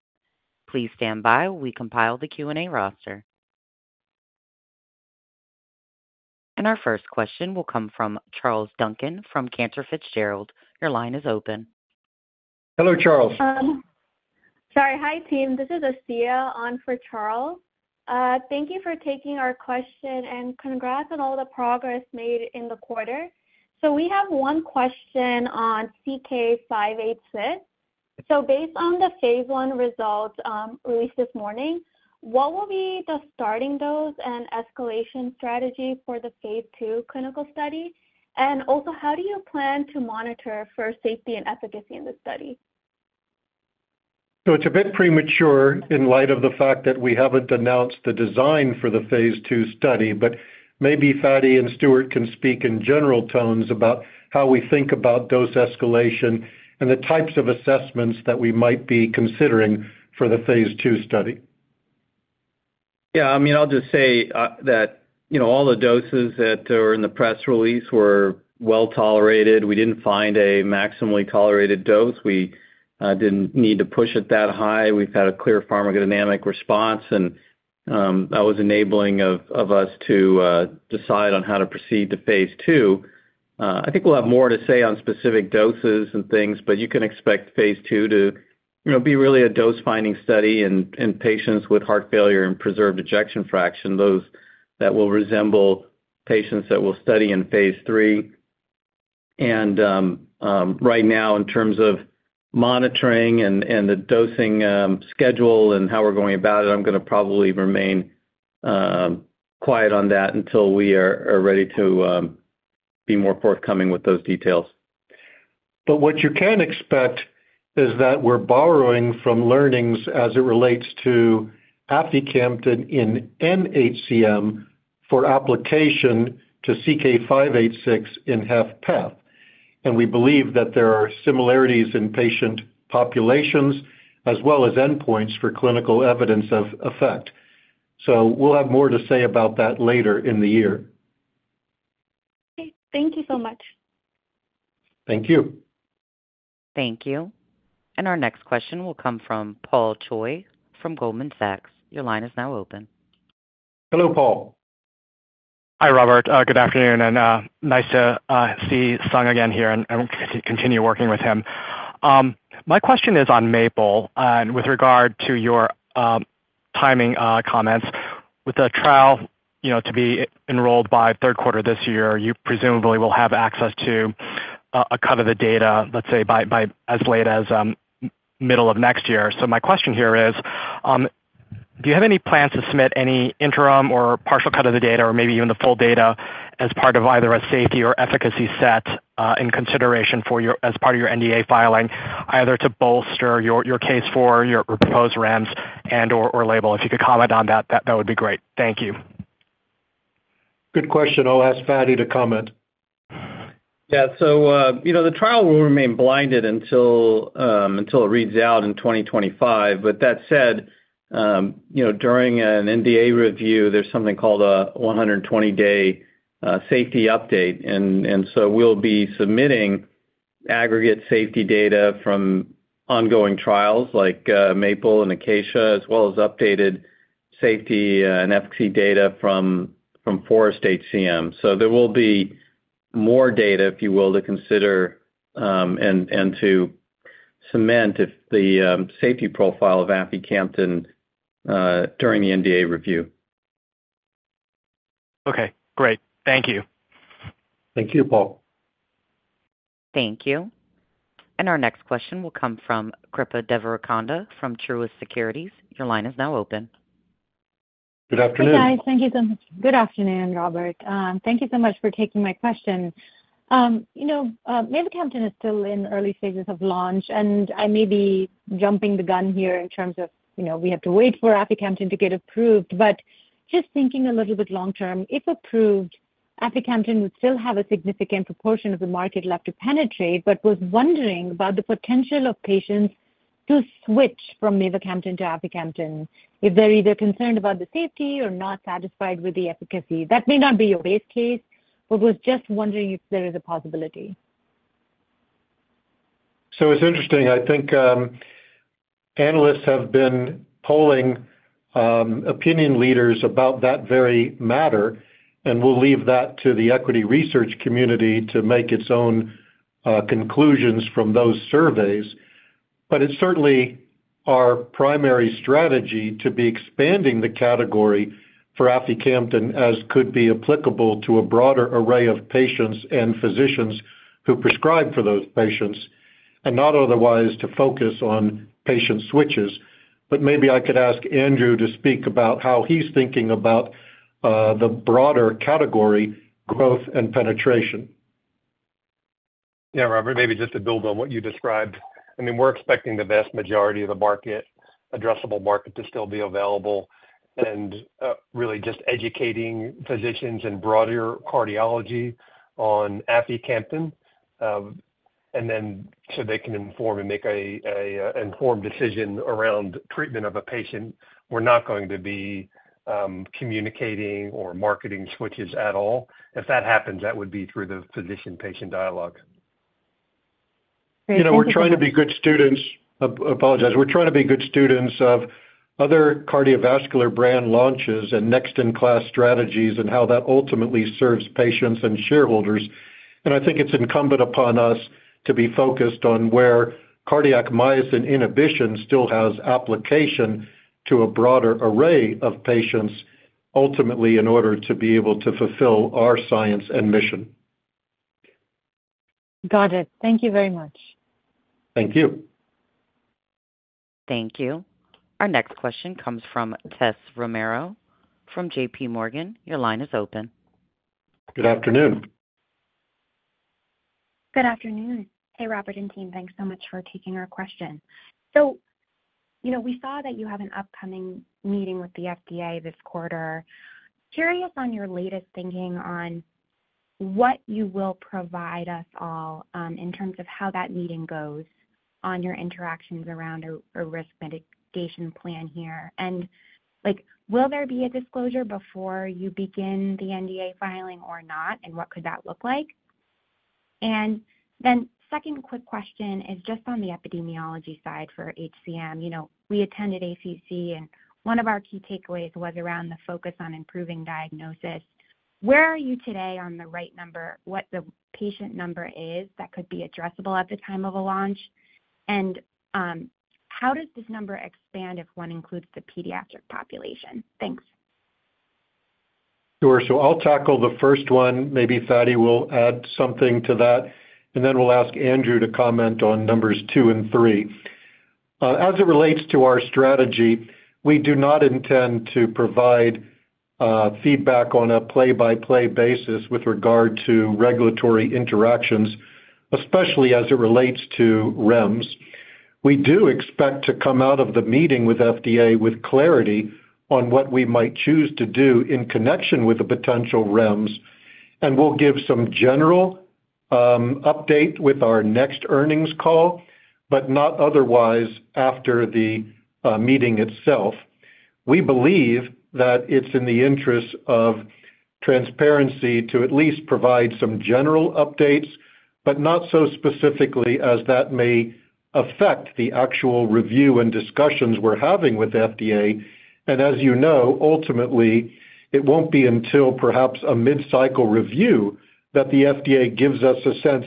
Please stand by. We compile the Q&A roster. Our first question will come from Charles Duncan from Cantor Fitzgerald. Your line is open. Hello, Charles. Sorry. Hi, team. This is Asiya on for Charles. Thank you for taking our question, and congrats on all the progress made in the quarter. We have one question on CK-586. Based on the phase I results released this morning, what will be the starting dose and escalation strategy for the phase II clinical study? And also, how do you plan to monitor for safety and efficacy in this study? It's a bit premature in light of the fact that we haven't announced the design for the phase II study, but maybe Fady and Stuart can speak in general terms about how we think about dose escalation and the types of assessments that we might be considering for the phase II study. Yeah, I mean, I'll just say that, you know, all the doses that are in the press release were well tolerated. We didn't find a maximally tolerated dose. We didn't need to push it that high. We've had a clear pharmacodynamic response, and that was enabling of us to decide on how to proceed to phase 2. I think we'll have more to say on specific doses and things, but you can expect phase 2 to, you know, be really a dose-finding study in patients with heart failure and preserved ejection fraction, those that will resemble patients that we'll study in phase 3. Right now, in terms of monitoring and the dosing schedule and how we're going about it, I'm going to probably remain quiet on that until we are ready to be more forthcoming with those details. What you can expect is that we're borrowing from learnings as it relates to aficamten in nHCM for application to CK-586 in HFpEF. We believe that there are similarities in patient populations as well as endpoints for clinical evidence of effect. We'll have more to say about that later in the year. Okay. Thank you so much. Thank you. Thank you. And our next question will come from Paul Choi from Goldman Sachs. Your line is now open. Hello, Paul. Hi, Robert. Good afternoon, and nice to see Sung again here, and to continue working with him. My question is on MAPLE, and with regard to your timing comments. With the trial, you know, to be enrolled by third quarter this year, you presumably will have access to a cut of the data, let's say, by as late as middle of next year. So my question here is, do you have any plans to submit any interim or partial cut of the data or maybe even the full data as part of either a safety or efficacy set, in consideration for your- as part of your NDA filing, either to bolster your case for your proposed REMS and/or label? If you could comment on that, that would be great. Thank you. Good question. I'll ask Fady to comment. Yeah, so, you know, the trial will remain blinded until, until it reads out in 2025. But that said, you know, during an NDA review, there's something called a 120-day safety update. And, and so we'll be submitting aggregate safety data from ongoing trials like, MAPLE and ACACIA, as well as updated safety, and FC data from, from FOREST-HCM. So there will be more data, if you will, to consider, and, and to cement if the, safety profile of aficamten, during the NDA review. Okay, great. Thank you. Thank you, Paul. Thank you. Our next question will come from Srikripa Devarakonda from Truist Securities. Your line is now open. Good afternoon. Hi, guys. Thank you so much. Good afternoon, Robert. Thank you so much for taking my question. You know, mavacamten is still in early stages of launch, and I may be jumping the gun here in terms of, you know, we have to wait for aficamten to get approved. But just thinking a little bit long term, if approved, aficamten would still have a significant proportion of the market left to penetrate, but was wondering about the potential of patients to switch from mavacamten to aficamten if they're either concerned about the safety or not satisfied with the efficacy. That may not be your base case, but was just wondering if there is a possibility. So it's interesting, I think, analysts have been polling, opinion leaders about that very matter, and we'll leave that to the equity research community to make its own, conclusions from those surveys. But it's certainly our primary strategy to be expanding the category for aficamten as could be applicable to a broader array of patients and physicians who prescribe for those patients, and not otherwise to focus on patient switches. But maybe I could ask Andrew to speak about how he's thinking about, the broader category, growth and penetration. Yeah, Robert, maybe just to build on what you described. I mean, we're expecting the vast majority of the market, addressable market to still be available, and really just educating physicians and broader cardiology on aficamten, and then so they can inform and make an informed decision around treatment of a patient. We're not going to be communicating or marketing switches at all. If that happens, that would be through the physician-patient dialogue. You know, we're trying to be good students of other cardiovascular brand launches and next-in-class strategies and how that ultimately serves patients and shareholders. I think it's incumbent upon us to be focused on where cardiac myosin inhibition still has application to a broader array of patients, ultimately, in order to be able to fulfill our science and mission. Got it. Thank you very much. Thank you. Thank you. Our next question comes from Tess Romero from J.P. Morgan. Your line is open. Good afternoon. Good afternoon. Hey, Robert and team. Thanks so much for taking our question. So, you know, we saw that you have an upcoming meeting with the FDA this quarter. Curious on your latest thinking on- what you will provide us all, in terms of how that meeting goes on your interactions around a risk mitigation plan here? And like, will there be a disclosure before you begin the NDA filing or not, and what could that look like? And then second quick question is just on the epidemiology side for HCM. You know, we attended ACC, and one of our key takeaways was around the focus on improving diagnosis. Where are you today on the right number, what the patient number is that could be addressable at the time of a launch? And how does this number expand if one includes the pediatric population? Thanks. Sure. So I'll tackle the first one. Maybe Fady will add something to that, and then we'll ask Andrew to comment on numbers two and three. As it relates to our strategy, we do not intend to provide feedback on a play-by-play basis with regard to regulatory interactions, especially as it relates to REMS. We do expect to come out of the meeting with FDA, with clarity on what we might choose to do in connection with the potential REMS, and we'll give some general update with our next earnings call, but not otherwise after the meeting itself. We believe that it's in the interest of transparency to at least provide some general updates, but not so specifically as that may affect the actual review and discussions we're having with the FDA. As you know, ultimately, it won't be until perhaps a mid-cycle review that the FDA gives us a sense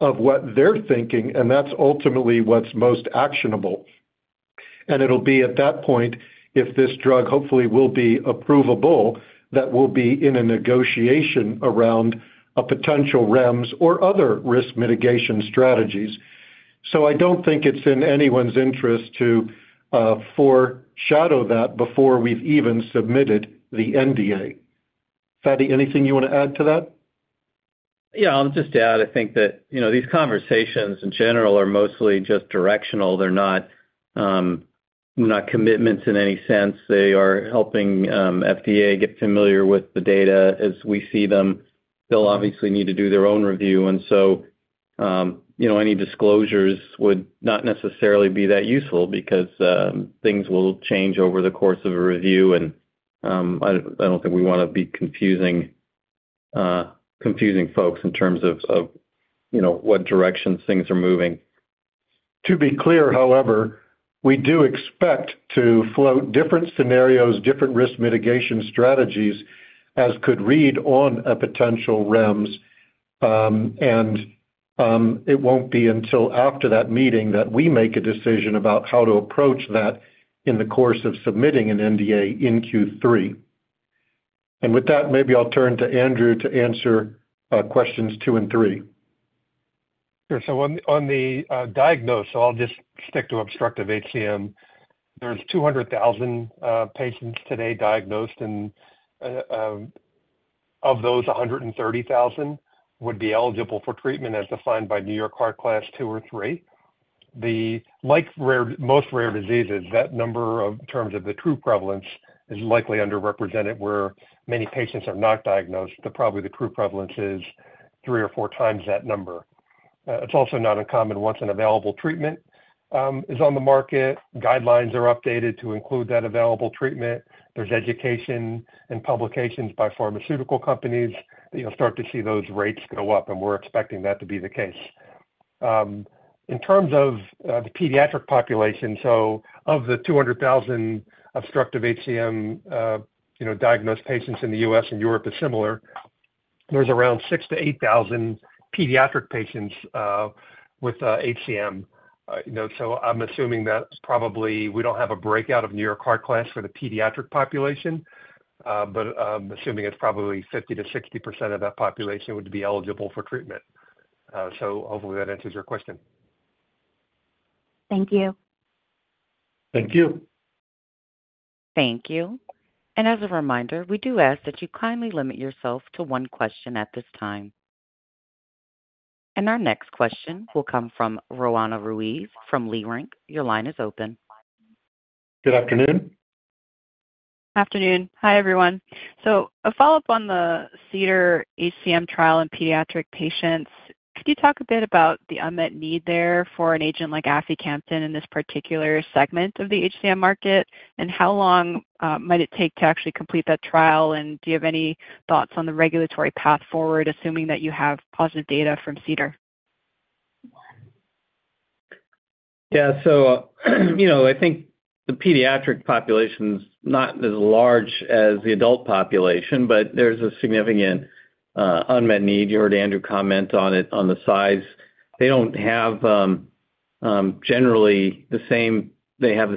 of what they're thinking, and that's ultimately what's most actionable. It'll be at that point, if this drug hopefully will be approvable, that we'll be in a negotiation around a potential REMS or other risk mitigation strategies. I don't think it's in anyone's interest to foreshadow that before we've even submitted the NDA. Fady, anything you want to add to that? Yeah, I'll just add, I think that, you know, these conversations in general are mostly just directional. They're not, not commitments in any sense. They are helping, FDA get familiar with the data as we see them. They'll obviously need to do their own review, and so, you know, any disclosures would not necessarily be that useful because, things will change over the course of a review, and, I don't think we want to be confusing, confusing folks in terms of, of, you know, what directions things are moving. To be clear, however, we do expect to float different scenarios, different risk mitigation strategies, as could read on a potential REMS. It won't be until after that meeting that we make a decision about how to approach that in the course of submitting an NDA in Q3. And with that, maybe I'll turn to Andrew to answer questions two and three. Sure. So on the diagnosis, I'll just stick to obstructive HCM. There's 200,000 patients today diagnosed, and of those, 130,000 would be eligible for treatment as defined by New York Heart Association Class II or III. Like most rare diseases, that number in terms of the true prevalence is likely underrepresented, where many patients are not diagnosed, but probably the true prevalence is three or four times that number. It's also not uncommon once an available treatment is on the market, guidelines are updated to include that available treatment. There's education and publications by pharmaceutical companies. You'll start to see those rates go up, and we're expecting that to be the case. In terms of the pediatric population, so of the 200,000 obstructive HCM, you know, diagnosed patients in the US and Europe is similar, there's around 6,000-8,000 pediatric patients with HCM. You know, so I'm assuming that's probably we don't have a breakdown of New York Heart Association class for the pediatric population, but assuming it's probably 50%-60% of that population would be eligible for treatment. So hopefully that answers your question. Thank you. Thank you. Thank you. As a reminder, we do ask that you kindly limit yourself to one question at this time. Our next question will come from Roanna Ruiz from Leerink. Your line is open. Good afternoon. Afternoon. Hi, everyone. So a follow-up on the CEDAR-HCM trial in pediatric patients. Could you talk a bit about the unmet need there for an agent like aficamten in this particular segment of the HCM market? And how long might it take to actually complete that trial, and do you have any thoughts on the regulatory path forward, assuming that you have positive data from CEDAR? Yeah, so, you know, I think the pediatric population's not as large as the adult population, but there's a significant unmet need. You heard Andrew comment on it, on the size. They have the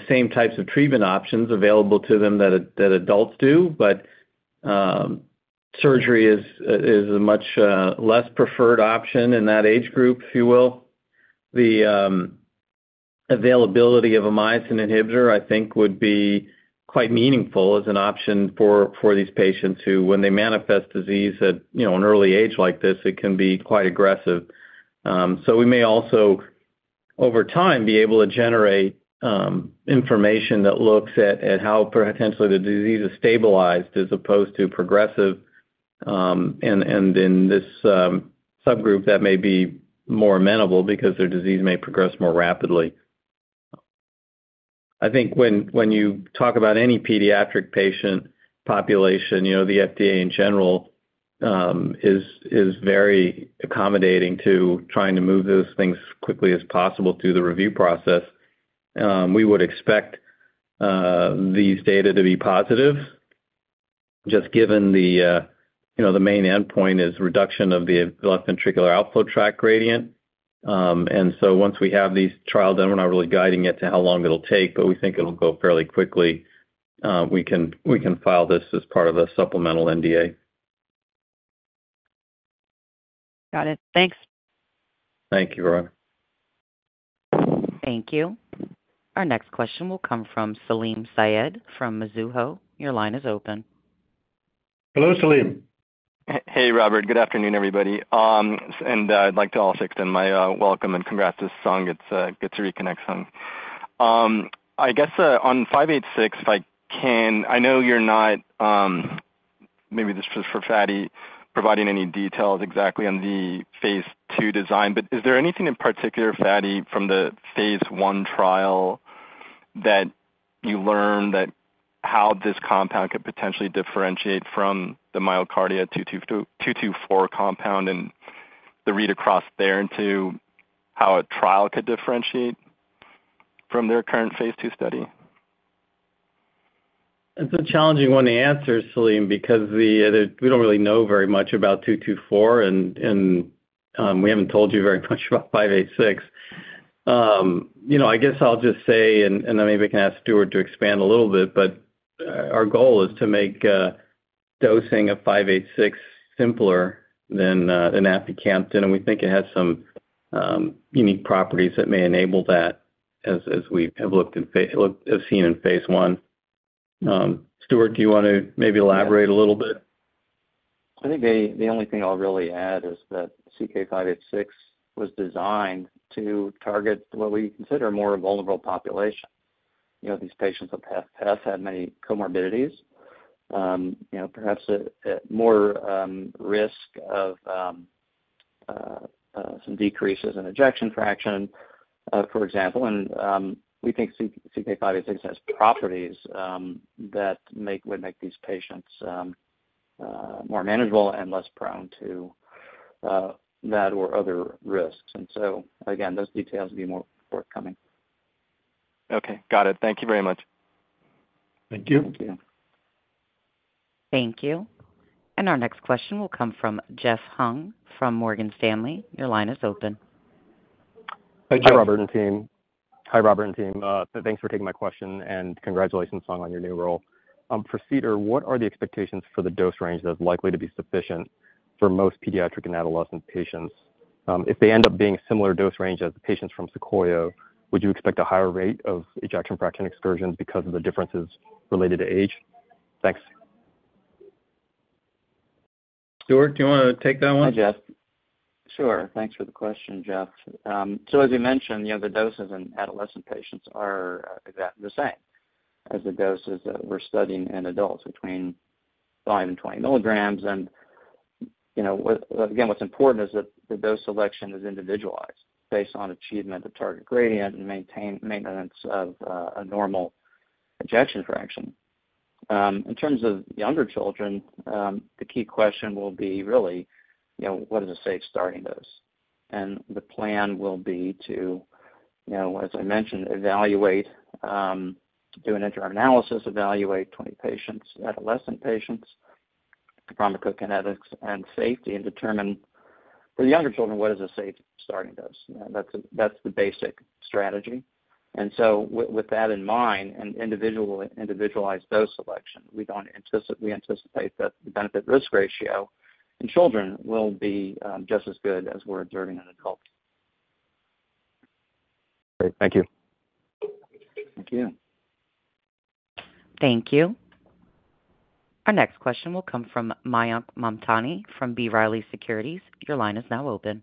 same types of treatment options available to them that adults do, but surgery is a much less preferred option in that age group, if you will. The availability of a myosin inhibitor, I think, would be quite meaningful as an option for these patients who, when they manifest disease at, you know, an early age like this, it can be quite aggressive. So we may also over time be able to generate information that looks at how potentially the disease is stabilized as opposed to progressive. And in this subgroup, that may be more amenable because their disease may progress more rapidly. I think when you talk about any pediatric patient population, you know, the FDA in general is very accommodating to trying to move those things as quickly as possible through the review process. We would expect these data to be positive, just given the you know, the main endpoint is reduction of the left ventricular outflow tract gradient. And so once we have these trials done, we're not really guiding it to how long it'll take, but we think it'll go fairly quickly. We can file this as part of a supplemental NDA. Got it. Thanks. Thank you, Aurora. Thank you. Our next question will come from Salim Syed from Mizuho. Your line is open. Hello, Salim. Hey, Robert. Good afternoon, everybody. And I'd like to also extend my welcome and congrats to Sung. It's good to reconnect, Sung. I guess on CK-586, if I can, I know you're not maybe this is for Fady, providing any details exactly on the phase II design. But is there anything in particular, Fady, from the phase I trial that you learned that how this compound could potentially differentiate from the MyoKardia 224 compound and the read across there into how a trial could differentiate from their current phase II study? It's a challenging one to answer, Salim, because we don't really know very much about 224, and we haven't told you very much about 586. You know, I guess I'll just say, then maybe we can ask Stewart to expand a little bit, but our goal is to make dosing of 586 simpler than aficamten, and we think it has some unique properties that may enable that as we have seen in phase I. Stewart, do you want to maybe elaborate a little bit? I think the only thing I'll really add is that CK-586 was designed to target what we consider a more vulnerable population. You know, these patients with HFpEF, HFpEF have many comorbidities, you know, perhaps at more risk of some decreases in ejection fraction, for example. And we think CK-586 has properties that would make these patients more manageable and less prone to that or other risks. And so, again, those details will be more forthcoming. Okay. Got it. Thank you very much. Thank you. Thank you. Thank you. And our next question will come from Jeff Hung from Morgan Stanley. Your line is open. Hi, Jeff. Hi, Robert and team. Hi, Robert and team. Thanks for taking my question, and congratulations, Sung, on your new role. For CEDAR, what are the expectations for the dose range that's likely to be sufficient for most pediatric and adolescent patients? If they end up being similar dose range as the patients from SEQUOIA, would you expect a higher rate of ejection fraction excursions because of the differences related to age? Thanks. Stuart, do you want to take that one? Hi, Jeff. Sure. Thanks for the question, Jeff. So as you mentioned, you know, the doses in adolescent patients are exactly the same as the doses that we're studying in adults, between 5 and 20 milligrams. And, you know, what... Again, what's important is that the dose selection is individualized based on achievement of target gradient and maintenance of a normal ejection fraction. In terms of younger children, the key question will be really, you know, what is a safe starting dose? And the plan will be to, you know, as I mentioned, evaluate, do an interim analysis, evaluate 20 patients, adolescent patients, pharmacokinetics and safety, and determine for the younger children, what is a safe starting dose. You know, that's the basic strategy. And so with that in mind, individualized dose selection, we anticipate that the benefit-risk ratio in children will be just as good as we're observing in adults. Great. Thank you. Thank you. Thank you. Our next question will come from Mayank Mamtani from B. Riley Securities. Your line is now open.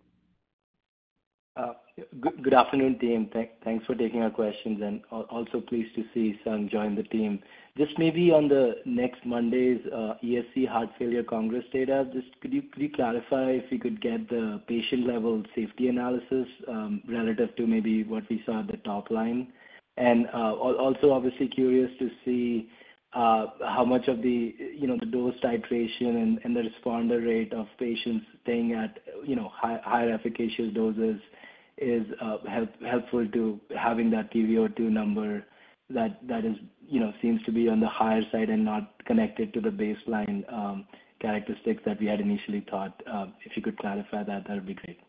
Good afternoon, team. Thanks for taking our questions, and also pleased to see Sung join the team. Just maybe on next Monday's ESC Heart Failure Congress data, just could you please clarify if we could get the patient-level safety analysis relative to maybe what we saw at the top line? Also obviously curious to see how much of the, you know, the dose titration and the responder rate of patients staying at, you know, higher efficacious doses is helpful to having that peak VO2 number that is, you know, seems to be on the higher side and not connected to the baseline characteristics that we had initially thought. If you could clarify that, that would be great.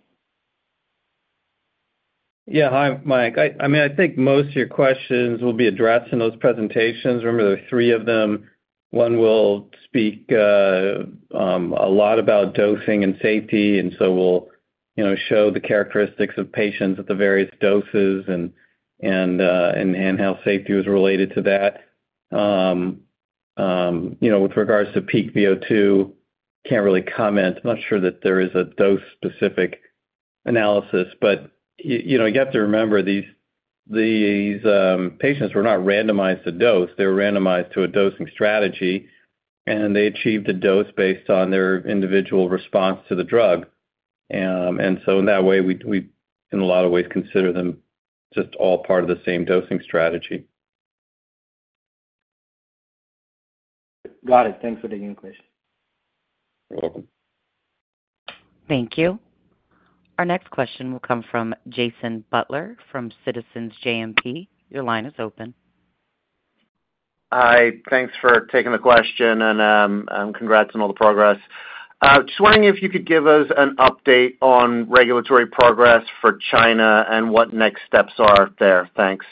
Yeah. Hi, Mayank. I mean, I think most of your questions will be addressed in those presentations. Remember, there are three of them. One will speak a lot about dosing and safety, and so we'll, you know, show the characteristics of patients at the various doses and how safety was related to that. You know, with regards to peak VO2, can't really comment. I'm not sure that there is a dose-specific analysis, but you know, you have to remember, these patients were not randomized to dose. They were randomized to a dosing strategy, and they achieved a dose based on their individual response to the drug. And so in that way, we in a lot of ways consider them just all part of the same dosing strategy. Got it. Thanks for taking the question. You're welcome. Thank you. Our next question will come from Jason Butler from Citizens JMP. Your line is open. Hi, thanks for taking the question, and congrats on all the progress. Just wondering if you could give us an update on regulatory progress for China and what next steps are there? Thanks.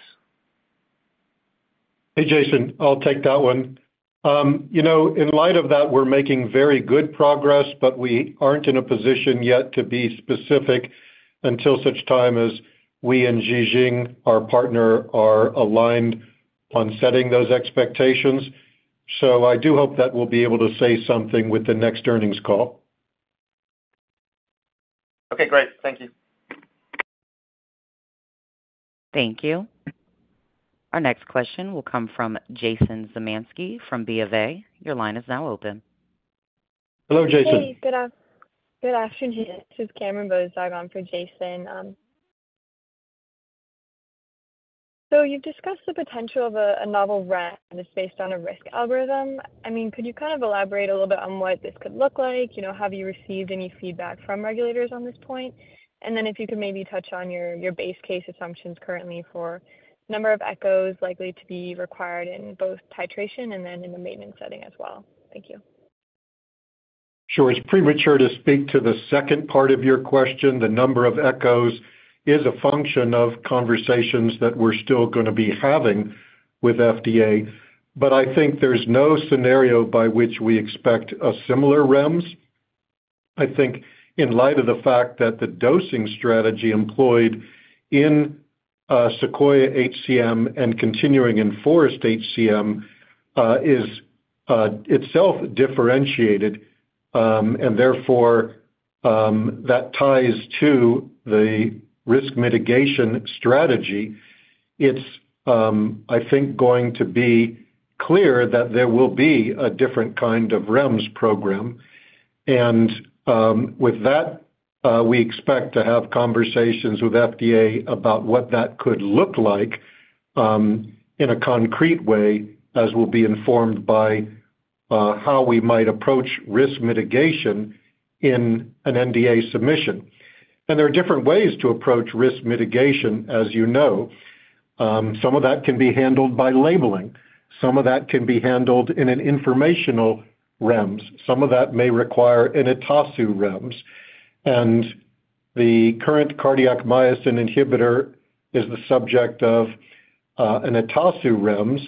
Hey, Jason. I'll take that one. You know, in light of that, we're making very good progress, but we aren't in a position yet to be specific until such time as we and Ji Xing, our partner, are aligned on setting those expectations. So I do hope that we'll be able to say something with the next earnings call. Okay, great. Thank you. Thank you. Our next question will come from Jason Zemansky from B of A. Your line is now open. Hello, Jason. Hey, good afternoon. This is Cameron Bozdog on for Jason. So you've discussed the potential of a novel REMS that's based on a risk algorithm. I mean, could you kind of elaborate a little bit on what this could look like? You know, have you received any feedback from regulators on this point? And then if you could maybe touch on your base case assumptions currently for number of echoes likely to be required in both titration and then in the maintenance setting as well. Thank you. Sure. It's premature to speak to the second part of your question. The number of echoes is a function of conversations that we're still gonna be having with FDA. But I think there's no scenario by which we expect a similar REMS. I think in light of the fact that the dosing strategy employed in SEQUOIA-HCM and continuing in FOREST-HCM is itself differentiated, and therefore, that ties to the risk mitigation strategy. It's, I think, going to be clear that there will be a different kind of REMS program. And, with that, we expect to have conversations with FDA about what that could look like, in a concrete way, as we'll be informed by how we might approach risk mitigation in an NDA submission. And there are different ways to approach risk mitigation, as you know. Some of that can be handled by labeling. Some of that can be handled in an informational REMS. Some of that may require an ETASU REMS, and the current cardiac myosin inhibitor is the subject of an ETASU REMS.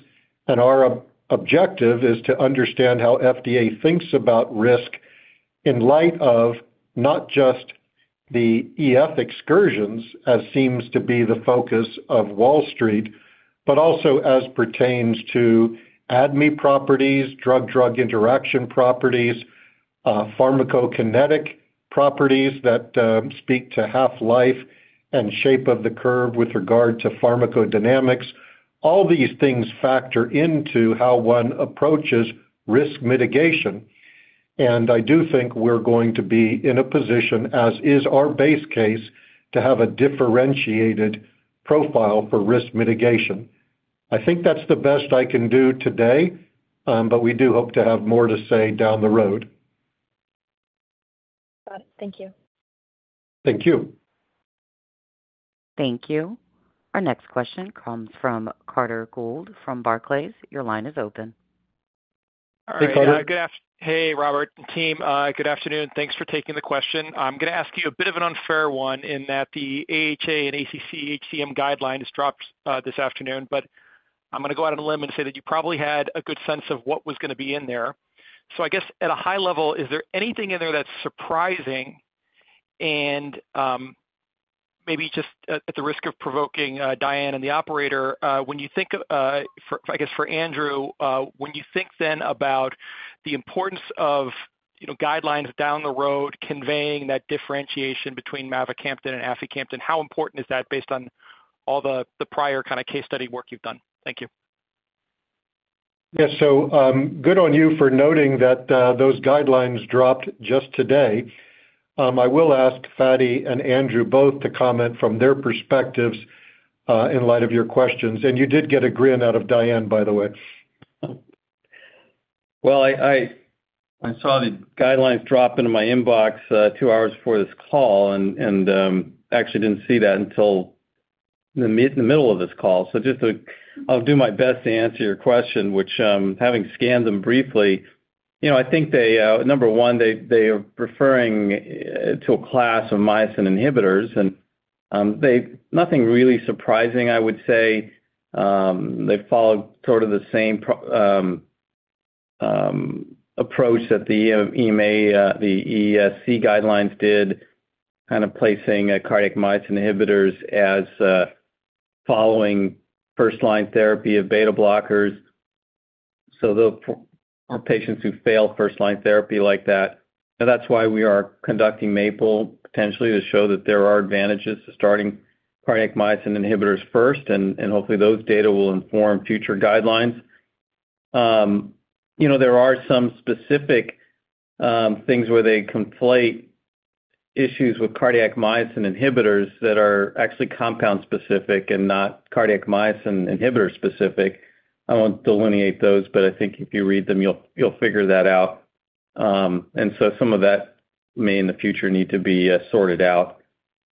Our objective is to understand how FDA thinks about risk in light of not just the EF excursions, as seems to be the focus of Wall Street, but also as pertains to ADME properties, drug-drug interaction properties, pharmacokinetic properties that speak to half-life and shape of the curve with regard to pharmacodynamics. All these things factor into how one approaches risk mitigation, and I do think we're going to be in a position, as is our base case, to have a differentiated profile for risk mitigation. I think that's the best I can do today, but we do hope to have more to say down the road. Got it. Thank you. Thank you. Thank you. Our next question comes from Carter Gould from Barclays. Your line is open. Hey, Carter. All right, good af- hey, Robert, team, good afternoon. Thanks for taking the question. I'm gonna ask you a bit of an unfair one in that the AHA and ACC HCM guideline just dropped, this afternoon. But I'm gonna go out on a limb and say that you probably had a good sense of what was gonna be in there. So I guess, at a high level, is there anything in there that's surprising? And, maybe just at, at the risk of provoking, Diane and the operator, when you think of, for... I guess for Andrew, when you think then about the importance of, you know, guidelines down the road, conveying that differentiation between mavacamten and aficamten, how important is that based on all the, the prior kind of case study work you've done? Thank you. Yes, so, good on you for noting that, those guidelines dropped just today. I will ask Fady and Andrew both to comment from their perspectives, in light of your questions, and you did get a grin out of Diane, by the way. Well, I saw the guidelines drop into my inbox two hours before this call and actually didn't see that until the middle of this call. So I'll do my best to answer your question, which, having scanned them briefly, you know, I think they, number one, they are referring to a class of myosin inhibitors, and they... Nothing really surprising, I would say. They followed sort of the same approach that the EMA, the ESC guidelines did, kind of placing cardiac myosin inhibitors as following first-line therapy of beta blockers, so or patients who fail first-line therapy like that. And that's why we are conducting MAPLE, potentially, to show that there are advantages to starting cardiac myosin inhibitors first, and hopefully those data will inform future guidelines. You know, there are some specific things where they conflate issues with cardiac myosin inhibitors that are actually compound-specific and not cardiac myosin inhibitor-specific. I won't delineate those, but I think if you read them, you'll figure that out. And so some of that may, in the future, need to be sorted out.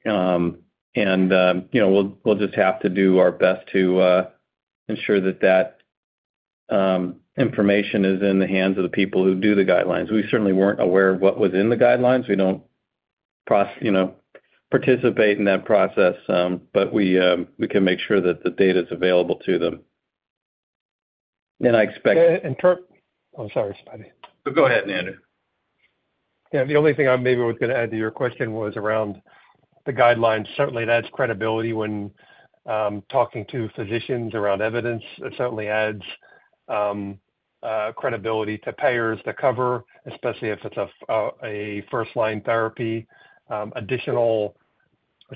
And you know, we'll just have to do our best to ensure that that information is in the hands of the people who do the guidelines. We certainly weren't aware of what was in the guidelines. We don't, you know, participate in that process, but we, we can make sure that the data is available to them. And I expect- And Kurt-- Oh, sorry, Scotty. Go ahead, Andrew. Yeah, the only thing I maybe was gonna add to your question was around the guidelines. Certainly, it adds credibility when talking to physicians around evidence. It certainly adds credibility to payers to cover, especially if it's a first-line therapy. Additional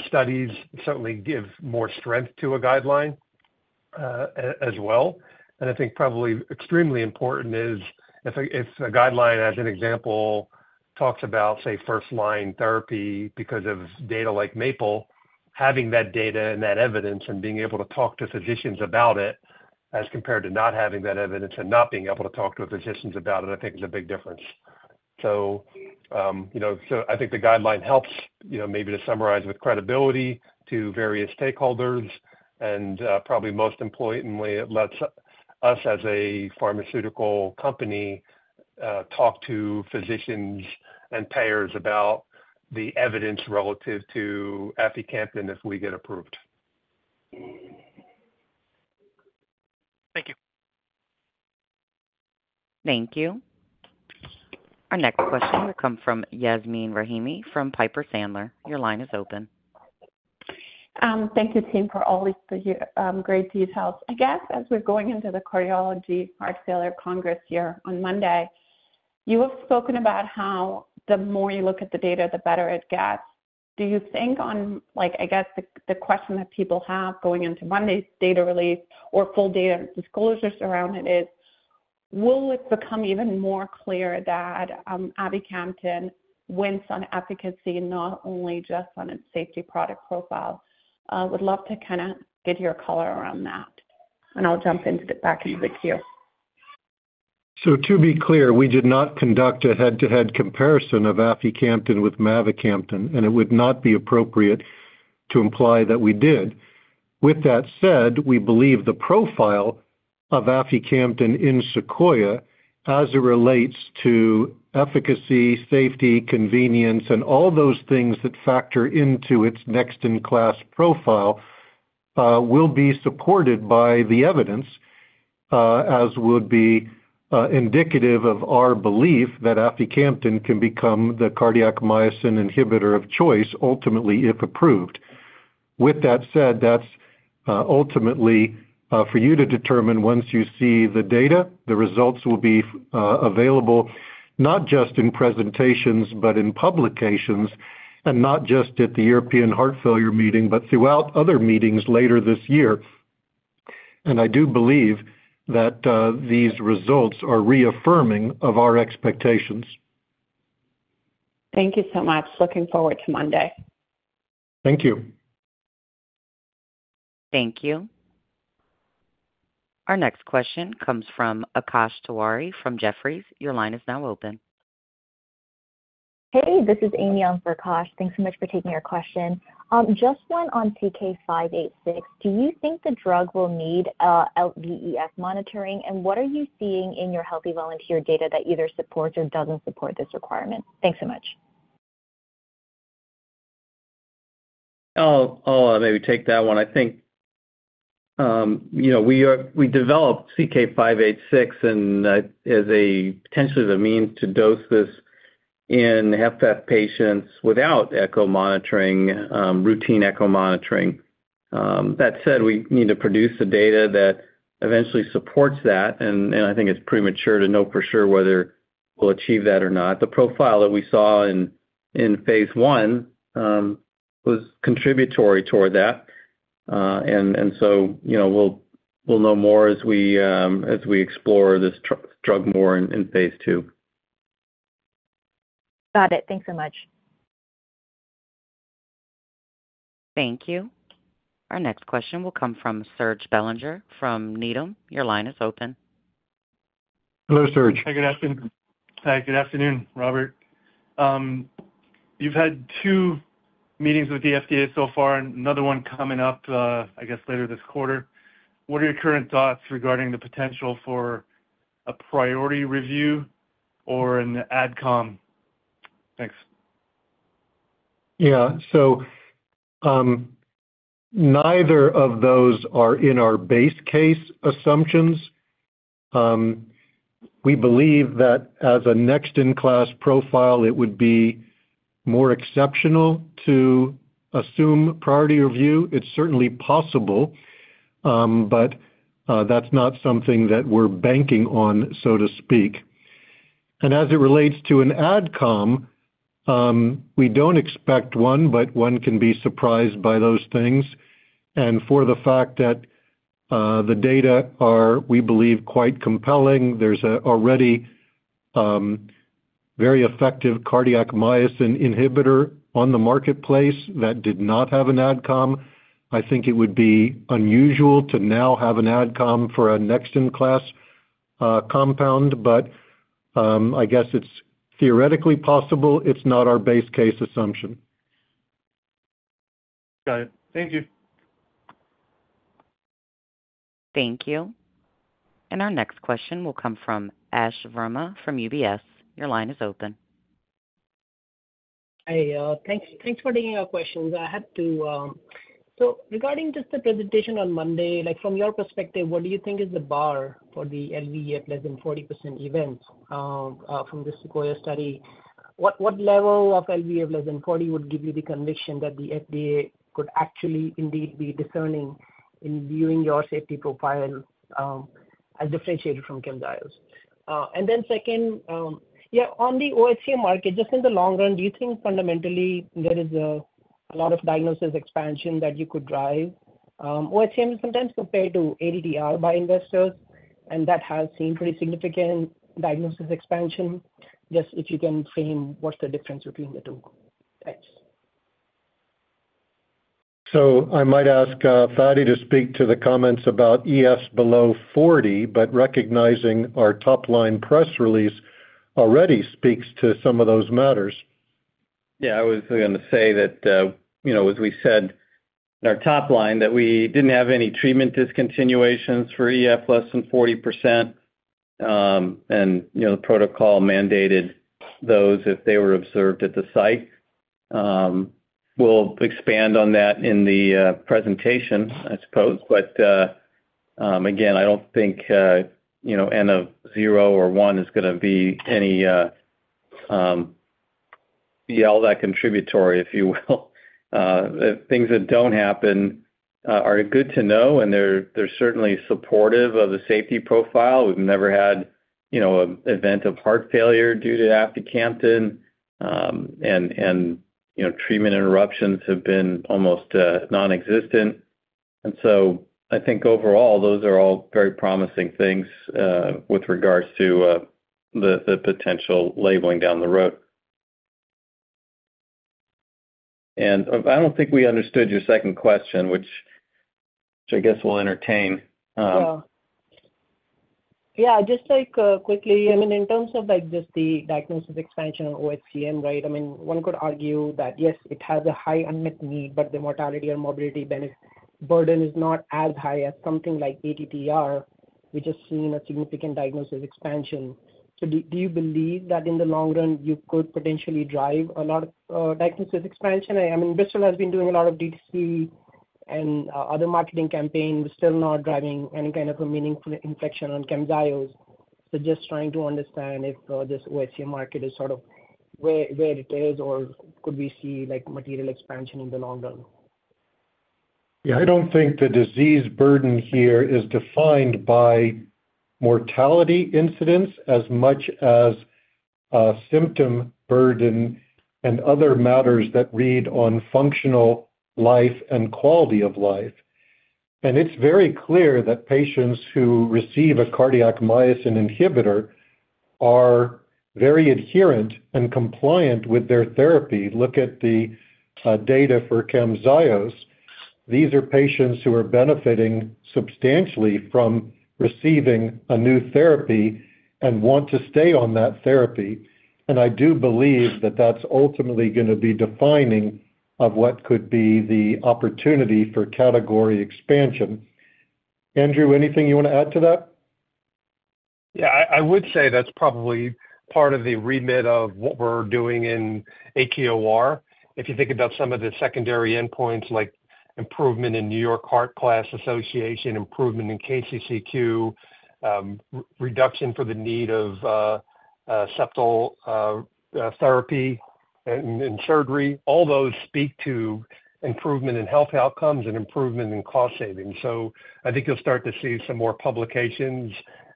studies certainly give more strength to a guideline, as well. And I think probably extremely important is if a guideline, as an example, talks about, say, first-line therapy because of data like MAPLE, having that data and that evidence and being able to talk to physicians about it, as compared to not having that evidence and not being able to talk to physicians about it, I think is a big difference. So, you know, so I think the guideline helps, you know, maybe to summarize, with credibility to various stakeholders, and, probably most importantly, it lets us, as a pharmaceutical company, talk to physicians and payers about the evidence relative to aficamten if we get approved. Thank you. Thank you. Our next question will come from Yasmeen Rahimi from Piper Sandler. Your line is open. Thank you, team, for all these great details. I guess as we're going into the Cardiology Heart Failure Congress here on Monday, you have spoken about how the more you look at the data, the better it gets. Do you think, like, I guess, the question that people have going into Monday's data release or full data disclosures around it is: will it become even more clear that aficamten wins on efficacy, not only just on its safety product profile? Would love to kinda get your color around that, and I'll jump into the back of the queue. So to be clear, we did not conduct a head-to-head comparison of aficamten with mavacamten, and it would not be appropriate to imply that we did. With that said, we believe the profile of aficamten in Sequoia, as it relates to efficacy, safety, convenience, and all those things that factor into its next-in-class profile, will be supported by the evidence, as would be indicative of our belief that aficamten can become the cardiac myosin inhibitor of choice, ultimately, if approved. With that said, that's, ultimately, for you to determine once you see the data. The results will be available, not just in presentations, but in publications, and not just at the European Heart Failure Meeting, but throughout other meetings later this year. And I do believe that, these results are reaffirming of our expectations. Thank you so much. Looking forward to Monday. Thank you. Thank you. Our next question comes from Akash Tewari from Jefferies. Your line is now open. Hey, this is Amy on for Akash. Thanks so much for taking our question. Just one on CK-586. Do you think the drug will need LVEF monitoring? And what are you seeing in your healthy volunteer data that either supports or doesn't support this requirement? Thanks so much. I'll maybe take that one. I think, you know, we developed CK-586, and, as a potentially as a means to dose this in HFpEF patients without echo monitoring, routine echo monitoring. That said, we need to produce the data that eventually supports that, and I think it's premature to know for sure whether we'll achieve that or not. The profile that we saw in phase one was contributory toward that. And so, you know, we'll know more as we as we explore this drug more in phase two. Got it. Thanks so much. Thank you. Our next question will come from Serge Belanger from Needham. Your line is open. Hello, Serge. Hi, good afternoon. Hi, good afternoon, Robert. You've had two meetings with the FDA so far and another one coming up, I guess, later this quarter. What are your current thoughts regarding the potential for a priority review or an Adcom? Thanks. Yeah. So, neither of those are in our base case assumptions. We believe that as a next-in-class profile, it would be more exceptional to assume priority review. It's certainly possible, but that's not something that we're banking on, so to speak. And as it relates to an AdCom, we don't expect one, but one can be surprised by those things. And for the fact that, the data are, we believe, quite compelling, there's already a very effective cardiac myosin inhibitor on the marketplace that did not have an AdCom. I think it would be unusual to now have an AdCom for a next-in-class compound, but I guess it's theoretically possible. It's not our base case assumption. Got it. Thank you. Thank you. Our next question will come from Ash Verma from UBS. Your line is open. Hi, thanks, thanks for taking our questions. So regarding just the presentation on Monday, like, from your perspective, what do you think is the bar for the LVEF less than 40% event, from the SEQUOIA study? What, what level of LVEF less than 40% would give you the conviction that the FDA could actually indeed be discerning in viewing your safety profile, as differentiated from Camzyos? And then second, yeah, on the oHCM market, just in the long run, do you think fundamentally there is a lot of diagnosis expansion that you could drive? oHCM is sometimes compared to ATTR by investors, and that has seen pretty significant diagnosis expansion. Just if you can frame what's the difference between the two? Thanks. So I might ask, Fady, to speak to the comments about EF below 40, but recognizing our top-line press release already speaks to some of those matters. Yeah, I was going to say that, you know, as we said in our top line, that we didn't have any treatment discontinuations for EF less than 40%. And, you know, the protocol mandated those if they were observed at the site. We'll expand on that in the presentation, I suppose. But, again, I don't think, you know, N of zero or one is going to be any be all that contributory, if you will. Things that don't happen are good to know, and they're certainly supportive of the safety profile. We've never had, you know, an event of heart failure due to aficamten. And, you know, treatment interruptions have been almost nonexistent. So I think overall, those are all very promising things with regards to the potential labeling down the road. I don't think we understood your second question, which I guess we'll entertain. Sure. Yeah, just like, quickly, I mean, in terms of, like, just the diagnosis expansion of oHCM, right? I mean, one could argue that, yes, it has a high unmet need, but the mortality or morbidity burden is not as high as something like ATTR, which has seen a significant diagnosis expansion. So do you believe that in the long run, you could potentially drive a lot of diagnosis expansion? I mean, Bristol has been doing a lot of DTC and other marketing campaigns, still not driving any kind of a meaningful inflection on Camzyos. So just trying to understand if this oHCM market is sort of where it is, or could we see, like, material expansion in the long run? Yeah, I don't think the disease burden here is defined by mortality incidents as much as symptom burden and other matters that read on functional life and quality of life. And it's very clear that patients who receive a cardiac myosin inhibitor are very adherent and compliant with their therapy. Look at the data for Camzyos. These are patients who are benefiting substantially from receiving a new therapy and want to stay on that therapy. And I do believe that that's ultimately going to be defining of what could be the opportunity for category expansion. Andrew, anything you want to add to that? Yeah, I would say that's probably part of the remit of what we're doing in HEOR. If you think about some of the secondary endpoints, like improvement in New York Heart Association, improvement in KCCQ, reduction for the need of septal therapy and surgery, all those speak to improvement in health outcomes and improvement in cost savings. So I think you'll start to see some more publications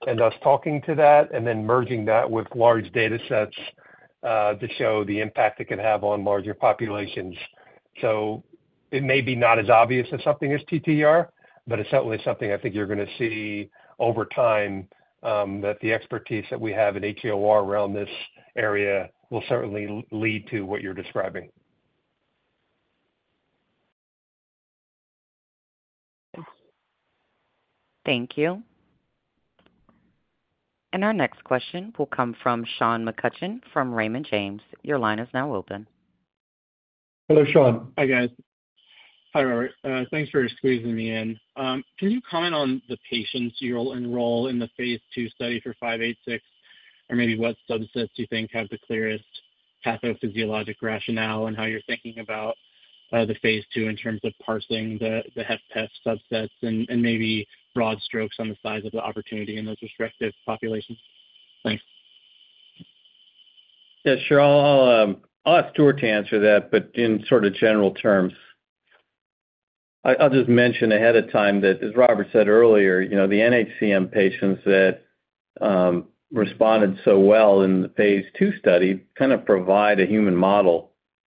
and us talking to that, and then merging that with large data sets to show the impact it can have on larger populations. So it may be not as obvious as something as TTR, but it's certainly something I think you're going to see over time that the expertise that we have in HEOR around this area will certainly lead to what you're describing. Thank you. Our next question will come from Sean McCutcheon from Raymond James. Your line is now open. Hello, Sean. Hi, guys. Hi, Robert. Thanks for squeezing me in. Can you comment on the patients you'll enroll in the phase two study for 586?... or maybe what subsets do you think have the clearest pathophysiologic rationale and how you're thinking about, the phase 2 in terms of parsing the, the HFpEF subsets and, and maybe broad strokes on the size of the opportunity in those respective populations? Thanks. Yeah, sure. I'll, I'll ask Stuart to answer that, but in sort of general terms. I, I'll just mention ahead of time that, as Robert said earlier, you know, the NHCM patients that responded so well in the phase 2 study kind of provide a human model,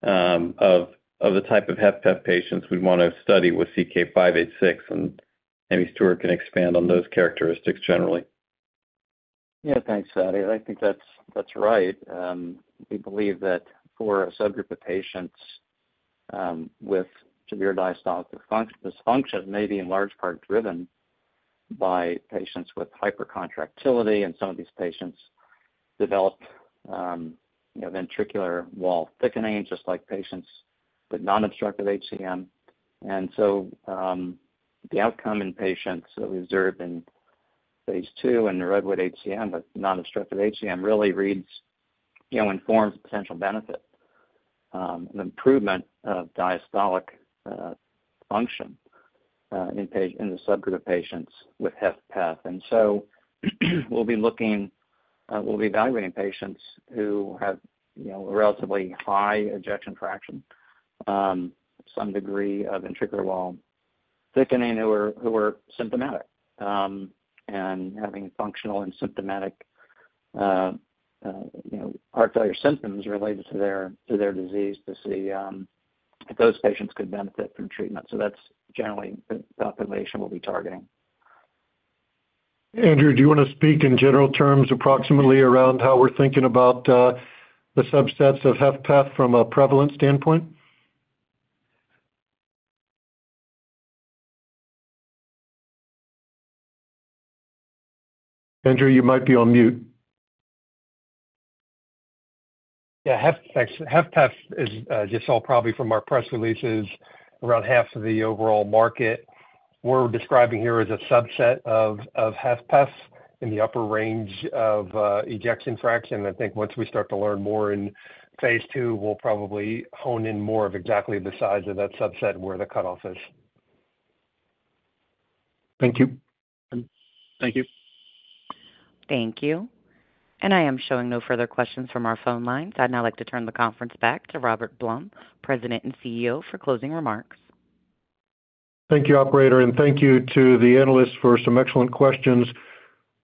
of, of the type of HFpEF patients we'd want to study with CK-586, and maybe Stuart can expand on those characteristics generally. Yeah, thanks, Fady. I think that's right. We believe that for a subgroup of patients with severe diastolic dysfunction may be in large part driven by patients with hypercontractility, and some of these patients develop, you know, ventricular wall thickening, just like patients with non-obstructive HCM. And so, the outcome in patients that we observed in phase two in the REDWOOD-HCM, but non-obstructive HCM, really reads, you know, informs potential benefit, an improvement of diastolic function in the subgroup of patients with HFpEF. We'll be looking, we'll be evaluating patients who have, you know, relatively high ejection fraction, some degree of ventricular wall thickening, who are, who are symptomatic, and having functional and symptomatic, you know, heart failure symptoms related to their, to their disease to see, if those patients could benefit from treatment. So that's generally the population we'll be targeting. Andrew, do you wanna speak in general terms approximately around how we're thinking about, the subsets of HFpEF from a prevalence standpoint? Andrew, you might be on mute. Yeah, HF, HFpEF is, as you saw probably from our press releases, around half of the overall market. What we're describing here is a subset of HFpEF in the upper range of ejection fraction. I think once we start to learn more in phase two, we'll probably hone in more of exactly the size of that subset and where the cutoff is. Thank you. Thank you. Thank you. I am showing no further questions from our phone lines. I'd now like to turn the conference back to Robert Blum, President and CEO, for closing remarks. Thank you, operator, and thank you to the analysts for some excellent questions.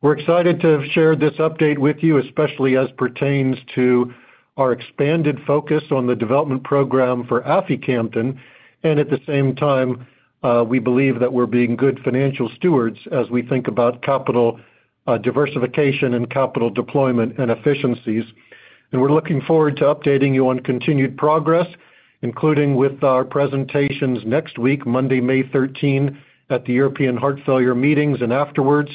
We're excited to have shared this update with you, especially as pertains to our expanded focus on the development program for aficamten, and at the same time, we believe that we're being good financial stewards as we think about capital, diversification and capital deployment and efficiencies. We're looking forward to updating you on continued progress, including with our presentations next week, Monday, May 13, at the European Heart Failure Meetings, and afterwards.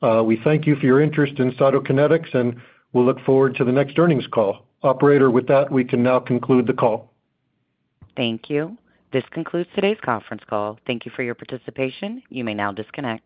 We thank you for your interest in Cytokinetics, and we'll look forward to the next earnings call. Operator, with that, we can now conclude the call. Thank you. This concludes today's conference call. Thank you for your participation. You may now disconnect.